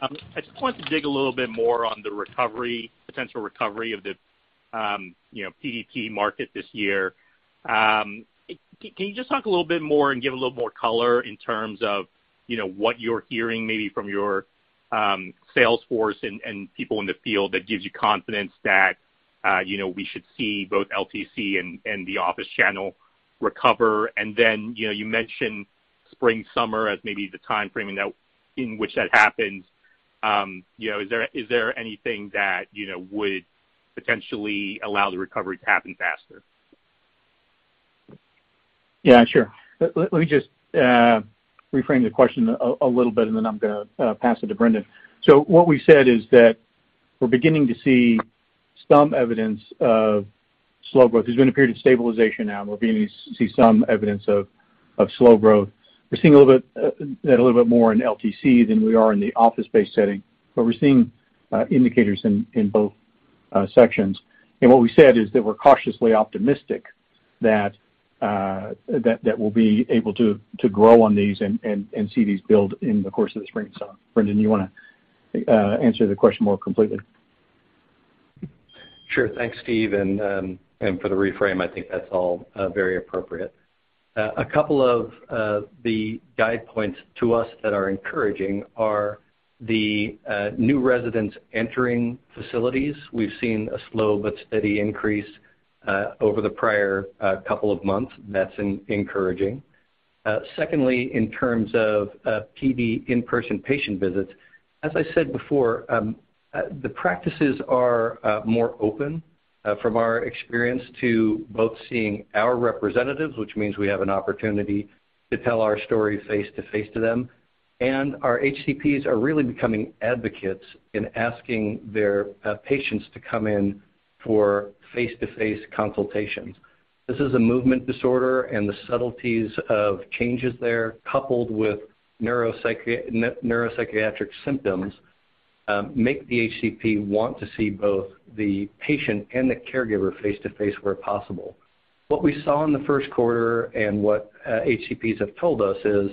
I just wanted to dig a little bit more on the recovery, potential recovery of the, you know, PDP market this year. Can you just talk a little bit more and give a little more color in terms of, you know, what you're hearing maybe from your sales force and people in the field that gives you confidence that, you know, we should see both LTC and the office channel recover? Then, you know, you mentioned spring, summer as maybe the time framing that in which that happens. Is there anything that, you know, would potentially allow the recovery to happen faster? Yeah, sure. Let me just reframe the question a little bit and then I'm gonna pass it to Brendan. What we said is that we're beginning to see some evidence of slow growth. There's been a period of stabilization now, and we're beginning to see some evidence of slow growth. We're seeing a little bit more in LTC than we are in the office-based setting, but we're seeing indicators in both. What we said is that we're cautiously optimistic that will be able to grow on these and see these build in the course of the spring and summer. Brendan, do you wanna answer the question more completely? Sure. Thanks, Steve. For the reframe, I think that's all very appropriate. A couple of the guiding points to us that are encouraging are the new residents entering facilities. We've seen a slow but steady increase over the prior couple of months. That's encouraging. Secondly, in terms of PD in-person patient visits, as I said before, the practices are more open from our experience to both seeing our representatives, which means we have an opportunity to tell our story face-to-face to them. Our HCPs are really becoming advocates in asking their patients to come in for face-to-face consultations. This is a movement disorder, and the subtleties of changes there, coupled with neuropsychiatric symptoms, make the HCP want to see both the patient and the caregiver face-to-face where possible. What we saw in the first quarter and what HCPs have told us is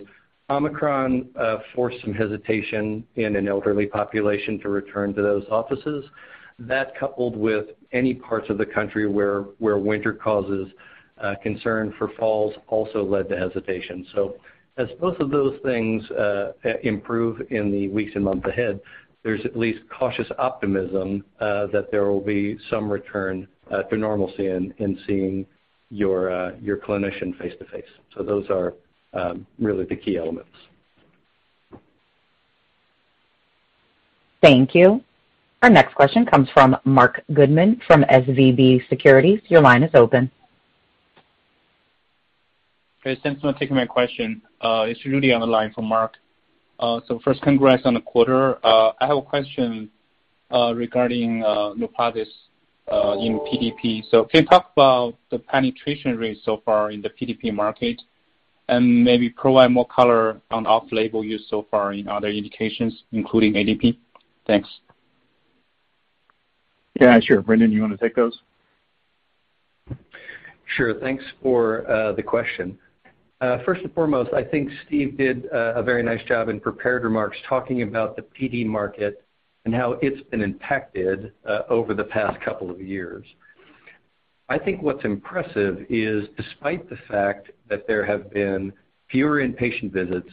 Omicron forced some hesitation in an elderly population to return to those offices. That coupled with any parts of the country where winter causes concern for falls, also led to hesitation. As both of those things improve in the weeks and months ahead, there's at least cautious optimism that there will be some return to normalcy in seeing your clinician face-to-face. Those are really the key elements. Thank you. Our next question comes from Marc Goodman from SVB Securities. Your line is open. Okay. Thanks so much for taking my question. It's Rudy on the line for Mark. First congrats on the quarter. I have a question regarding NUPLAZID in PDP. Can you talk about the penetration rate so far in the PDP market and maybe provide more color on off-label use so far in other indications, including ADP? Thanks. Yeah, sure. Brendan, you wanna take those? Sure. Thanks for the question. First and foremost, I think Steve did a very nice job in prepared remarks talking about the PD market and how it's been impacted over the past couple of years. I think what's impressive is despite the fact that there have been fewer inpatient visits,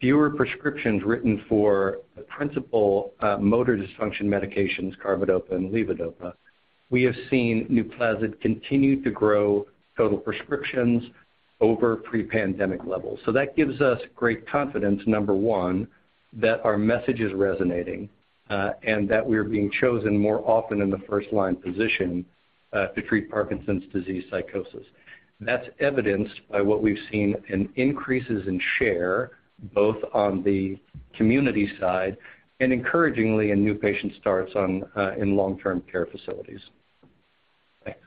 fewer prescriptions written for the principal motor dysfunction medications, carbidopa and levodopa, we have seen NUPLAZID continue to grow total prescriptions over pre-pandemic levels. That gives us great confidence, number one, that our message is resonating and that we're being chosen more often in the first-line position to treat Parkinson's disease psychosis. That's evidenced by what we've seen in increases in share, both on the community side and encouragingly in new patient starts in long-term care facilities. Thanks.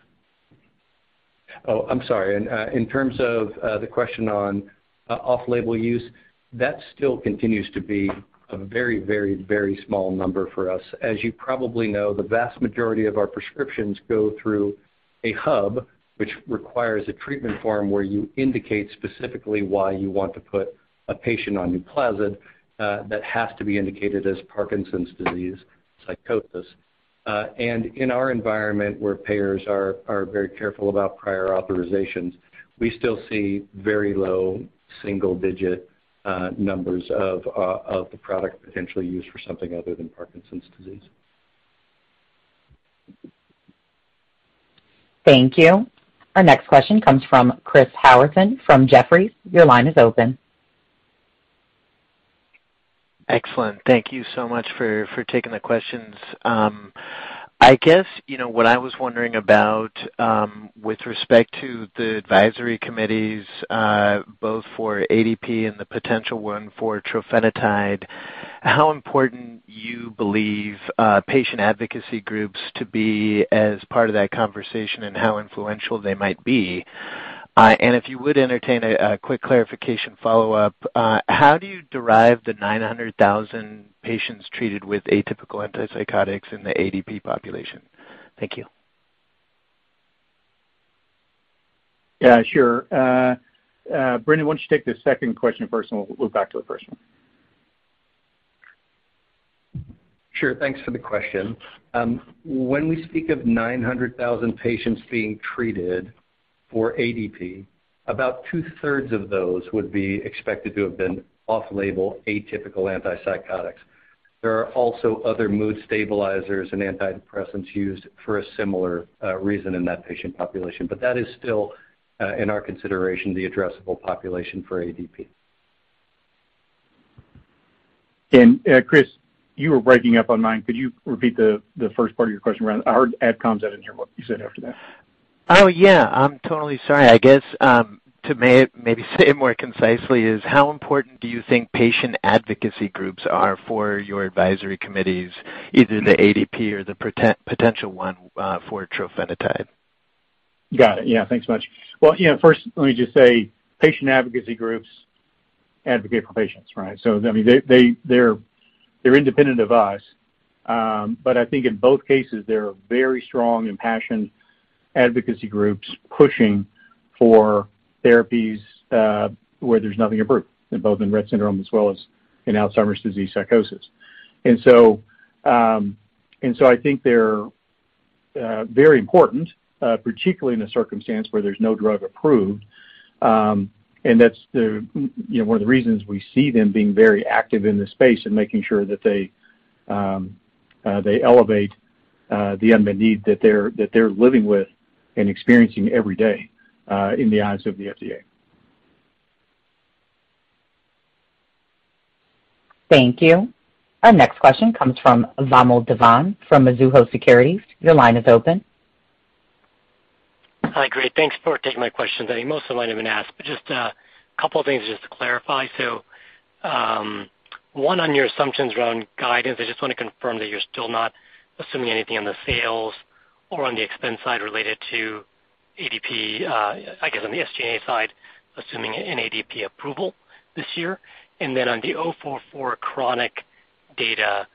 Oh, I'm sorry. In terms of the question on off-label use, that still continues to be a very small number for us. As you probably know, the vast majority of our prescriptions go through a hub, which requires a treatment form where you indicate specifically why you want to put a patient on NUPLAZID, that has to be indicated as Parkinson's disease psychosis. In our environment where payers are very careful about prior authorizations, we still see very low single-digit numbers of the product potentially used for something other than Parkinson's disease. Thank you. Our next question comes from Chris Howerton from Jefferies. Your line is open. Excellent. Thank you so much for taking the questions. I guess, you know, what I was wondering about, with respect to the advisory committees, both for ADP and the potential one for trofinetide, how important you believe patient advocacy groups to be as part of that conversation and how influential they might be? And if you would entertain a quick clarification follow-up, how do you derive the 900,000 patients treated with atypical antipsychotics in the ADP population? Thank you. Yeah, sure. Brendan, why don't you take the second question first, and we'll back to the first one. Sure. Thanks for the question. When we speak of 900,000 patients being treated for PDP, about 2/3 of those would be expected to have been off-label atypical antipsychotics. There are also other mood stabilizers and antidepressants used for a similar reason in that patient population, but that is still, in our consideration, the addressable population for PDP. Chris, you were breaking up on mine. Could you repeat the first part of your question around, I heard ad comms. I didn't hear what you said after that. Oh, yeah, I'm totally sorry. I guess, maybe say it more concisely is how important do you think patient advocacy groups are for your advisory committees, either the ADP or the potential one, for trofinetide? Got it. Yeah. Thanks much. Well, you know, first let me just say patient advocacy groups advocate for patients, right? I mean, they're independent of us. I think in both cases there are very strong, impassioned advocacy groups pushing for therapies, where there's nothing approved, in Rett syndrome as well as in Alzheimer's disease psychosis. I think they're very important, particularly in a circumstance where there's no drug approved. That's the, you know, one of the reasons we see them being very active in this space and making sure that they elevate the unmet need that they're living with and experiencing every day in the eyes of the FDA. Thank you. Our next question comes from Vamil Divan from Mizuho Securities. Your line is open. Hi. Great. Thanks for taking my questions. I think most of them might have been asked, but just a couple of things just to clarify. One, on your assumptions around guidance, I just want to confirm that you're still not assuming anything on the sales or on the expense side related to ADP, I guess on the SG&A side, assuming an ADP approval this year. On the ACP-044 chronic data,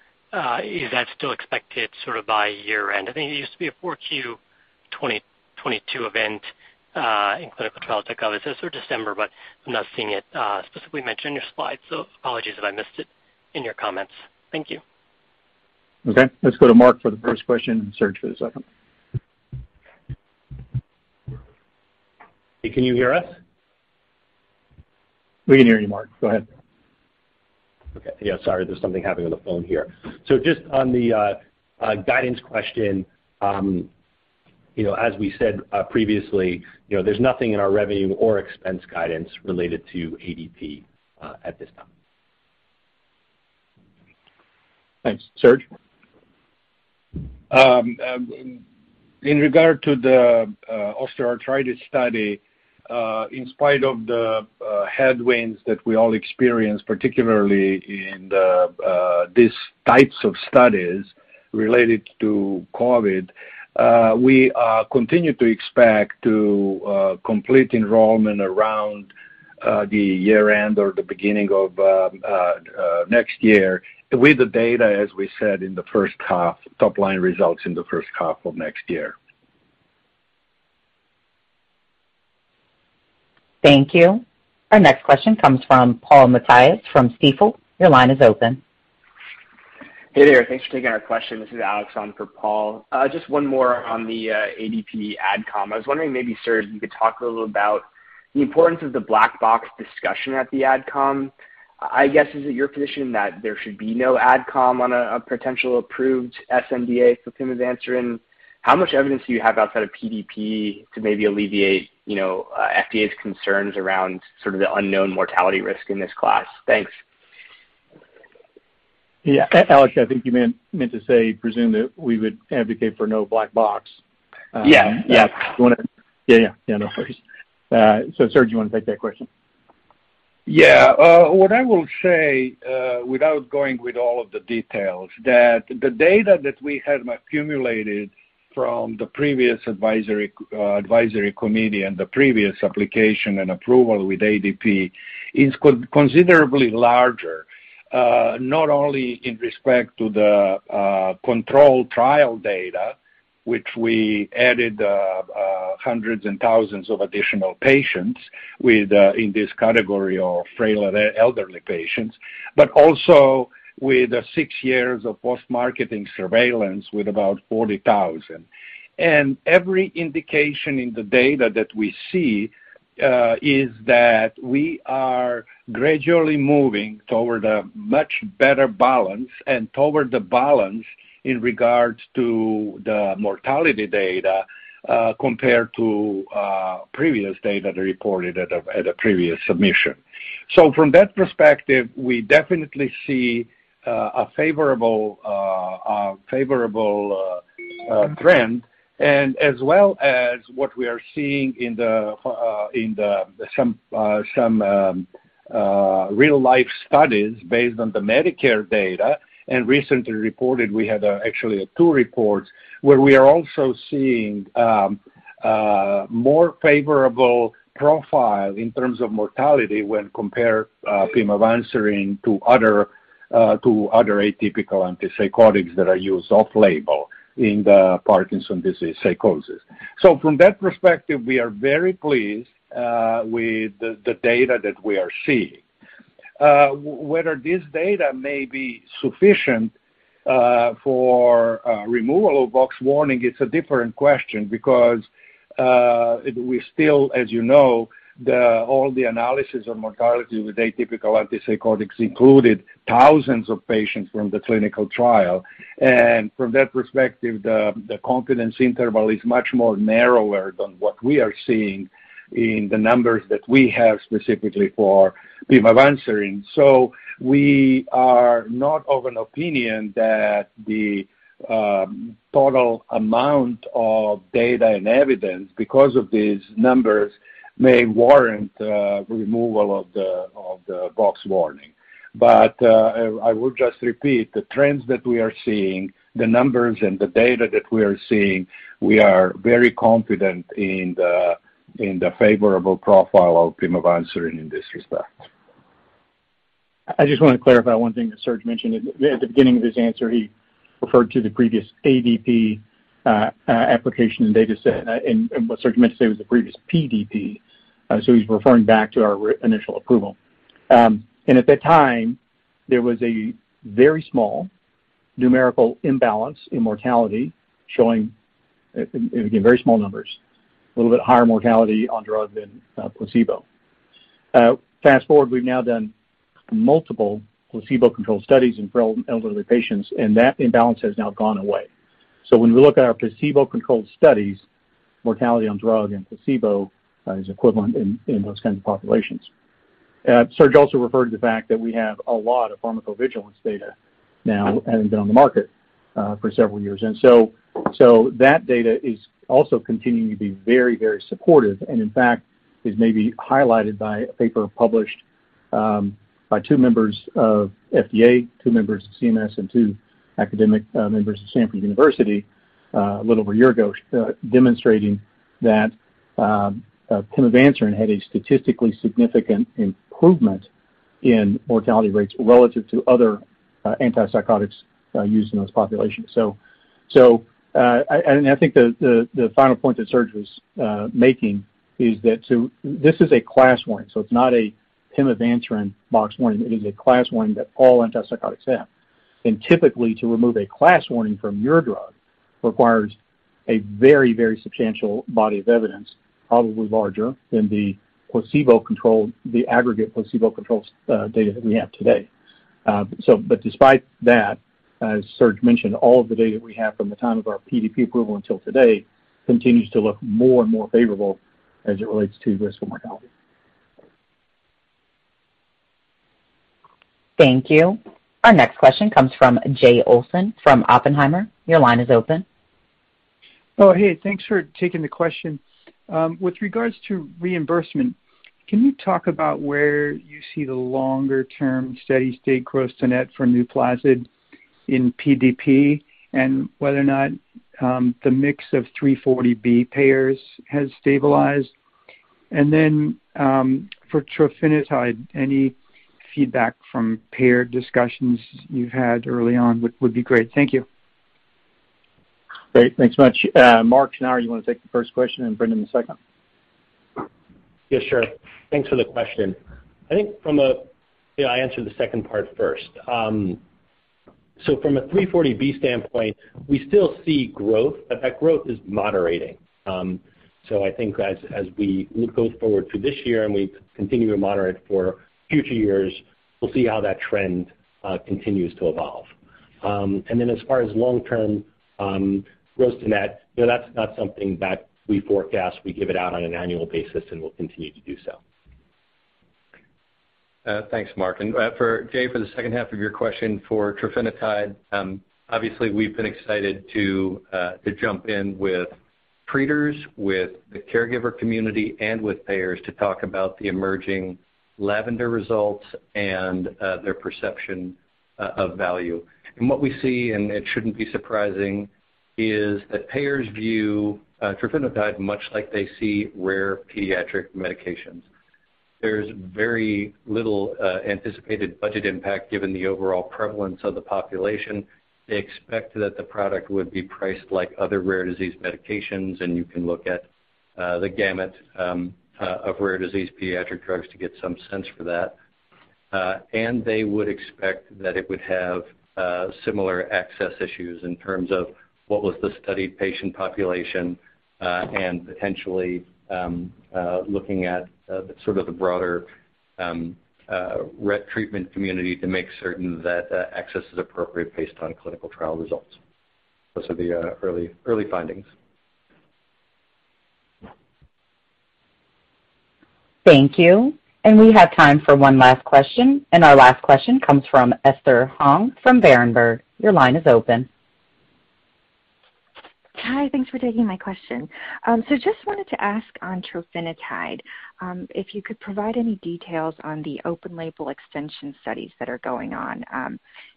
is that still expected sort of by year-end? I think it used to be a 4Q 2022 event, in clinical trial databases or December, but I'm not seeing it, specifically mentioned in your slides. Apologies if I missed it in your comments. Thank you. Okay. Let's go to Mark for the first question and Serge for the second. Hey, can you hear us? We can hear you, Mark. Go ahead. Okay. Yeah, sorry, there's something happening on the phone here. Just on the guidance question, you know, as we said previously, you know, there's nothing in our revenue or expense guidance related to ADP at this time. Thanks. Serge? In regard to the osteoarthritis study, in spite of the headwinds that we all experience, particularly in these types of studies related to COVID, we continue to expect to complete enrollment around the year-end or the beginning of next year with the data, as we said in the first half, top line results in the first half of next year. Thank you. Our next question comes from Paul Matteis from Stifel. Your line is open. Hey there. Thanks for taking our question. This is Alex on for Paul. Just one more on the PDP AdCom. I was wondering maybe, Serge, you could talk a little about the importance of the black box discussion at the ad com. I guess, is it your position that there should be no ad com on a potential approved sNDA for pimavanserin? How much evidence do you have outside of PDP to maybe alleviate, you know, FDA's concerns around sort of the unknown mortality risk in this class? Thanks. Yeah. Alex, I think you meant to say presume that we would advocate for no black box. Yeah. Yeah. Yeah, yeah. Yeah, no worries. So Serge, you wanna take that question? Yeah. What I will say, without going with all of the details, that the data that we have accumulated from the previous advisory committee and the previous application and approval with ADP is considerably larger, not only in respect to the control trial data, which we added hundreds and thousands of additional patients with in this category of frail elderly patients, but also with six years of post-marketing surveillance with about 40,000. Every indication in the data that we see is that we are gradually moving toward a much better balance and toward the balance in regards to the mortality data, compared to previous data reported at a previous submission. From that perspective, we definitely see a favorable trend and as well as what we are seeing in the some real-life studies based on the Medicare data. Recently reported, we had actually two reports where we are also seeing more favorable profile in terms of mortality when compared pimavanserin to other atypical antipsychotics that are used off label in the Parkinson's disease psychosis. From that perspective, we are very pleased with the data that we are seeing. Whether this data may be sufficient for removal of boxed warning is a different question because we still, as you know, all the analysis of mortality with atypical antipsychotics included thousands of patients from the clinical trial. From that perspective, the confidence interval is much more narrower than what we are seeing in the numbers that we have specifically for pimavanserin. We are not of an opinion that the total amount of data and evidence because of these numbers may warrant removal of the box warning. I will just repeat the trends that we are seeing, the numbers and the data that we are seeing, we are very confident in the favorable profile of pimavanserin in this respect. I just want to clarify one thing that Serge mentioned. At the beginning of his answer, he referred to the previous ADP application data set, and what Serge meant to say was the previous PDP. He's referring back to our initial approval. At that time, there was a very small numerical imbalance in mortality showing again very small numbers, a little bit higher mortality on drug than placebo. Fast-forward, we've now done multiple placebo-controlled studies in elderly patients, and that imbalance has now gone away. When we look at our placebo-controlled studies, mortality on drug and placebo is equivalent in those kinds of populations. Serge also referred to the fact that we have a lot of pharmacovigilance data now having been on the market for several years. That data is also continuing to be very, very supportive, and in fact is maybe highlighted by a paper published by two members of FDA, two members of CMS, and two academic members of Stanford University a little over a year ago demonstrating that pimavanserin had a statistically significant improvement in mortality rates relative to other antipsychotics used in those populations. I think the final point that Serge was making is that this is a class warning. It's not a pimavanserin box warning. It is a class warning that all antipsychotics have. Typically, to remove a class warning from your drug requires a very, very substantial body of evidence, probably larger than the placebo-controlled, the aggregate placebo-controlled data that we have today. despite that, as Serge mentioned, all of the data we have from the time of our PDP approval until today continues to look more and more favorable as it relates to risk for mortality. Thank you. Our next question comes from Jay Olson from Oppenheimer. Your line is open. Oh, hey, thanks for taking the question. With regards to reimbursement, can you talk about where you see the longer-term steady-state gross to net for NUPLAZID in PDP and whether or not the mix of 340B payers has stabilized? Then, for trofinetide, any feedback from payer discussions you've had early on would be great. Thank you. Great. Thanks much. Mark, now you wanna take the first question and Brendan the second? Yeah, sure. Thanks for the question. I think. Yeah, I answered the second part first. So from a 340B standpoint, we still see growth, but that growth is moderating. So I think as we go forward through this year and we continue to moderate for future years, we'll see how that trend continues to evolve. As far as long-term gross to net, you know, that's something that we forecast. We give it out on an annual basis, and we'll continue to do so. Thanks, Mark. For Jay, for the second half of your question for trofinetide, obviously, we've been excited to jump in with treaters, with the caregiver community, and with payers to talk about the emerging Lavender results and their perception of value. What we see, and it shouldn't be surprising, is that payers view trofinetide much like they see rare pediatric medications. There's very little anticipated budget impact given the overall prevalence of the population. They expect that the product would be priced like other rare disease medications, and you can look at the gamut of rare disease pediatric drugs to get some sense for that. They would expect that it would have similar access issues in terms of what was the study patient population, and potentially looking at sort of the broader Rett treatment community to make certain that access is appropriate based on clinical trial results. Those are the early findings. Thank you. We have time for one last question, and our last question comes from Esther Hong from Berenberg. Your line is open. Hi. Thanks for taking my question. Just wanted to ask on trofinetide, if you could provide any details on the open-label extension studies that are going on.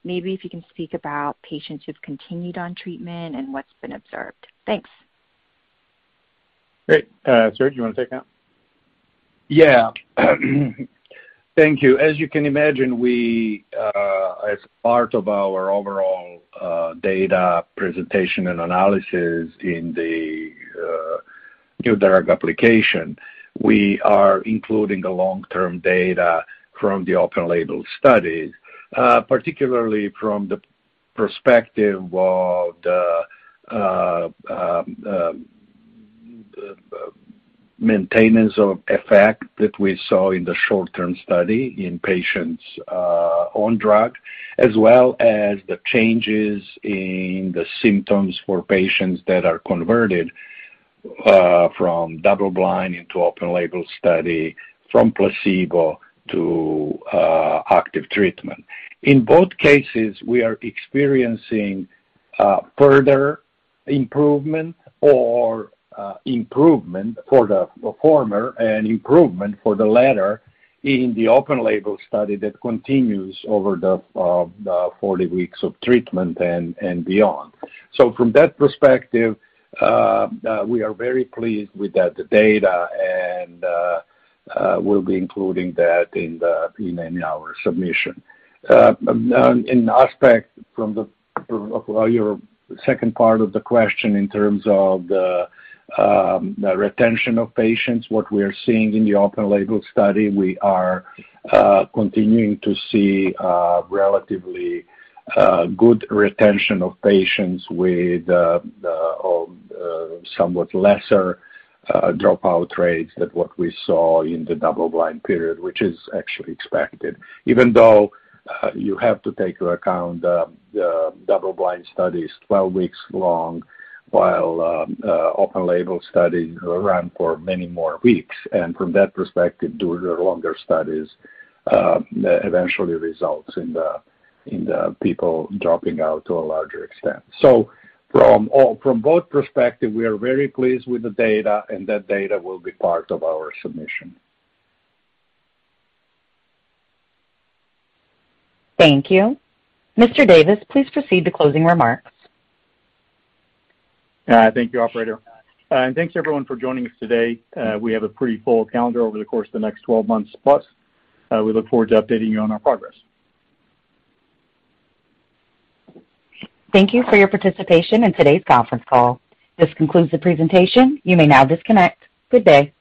Maybe if you can speak about patients who've continued on treatment and what's been observed. Thanks. Great. Serge, you wanna take that? Yeah. Thank you. As you can imagine, we, as part of our overall, data presentation and analysis in the, new drug application, we are including the long-term data from the open-label studies, particularly from the perspective of the, maintenance of effect that we saw in the short-term study in patients, on drug as well as the changes in the symptoms for patients that are converted, from double-blind into open-label study from placebo to, active treatment. In both cases, we are experiencing, further improvement or, improvement for the former and improvement for the latter in the open-label study that continues over the, 40 weeks of treatment and, beyond. From that perspective, we are very pleased with the, data and, we'll be including that in our submission. For your second part of the question in terms of the retention of patients, what we are seeing in the open-label study, we are continuing to see relatively good retention of patients with the somewhat lesser dropout rates than what we saw in the double-blind period, which is actually expected. Even though you have to take into account the double-blind study is 12 weeks long, while the open-label study run for many more weeks. From that perspective, due to the longer studies, that eventually results in the people dropping out to a larger extent. From both perspective, we are very pleased with the data, and that data will be part of our submission. Thank you. Mr. Davis, please proceed to closing remarks. Thank you, operator. Thanks everyone for joining us today. We have a pretty full calendar over the course of the next 12 months+. We look forward to updating you on our progress. Thank you for your participation in today's conference call. This concludes the presentation. You may now disconnect. Good day.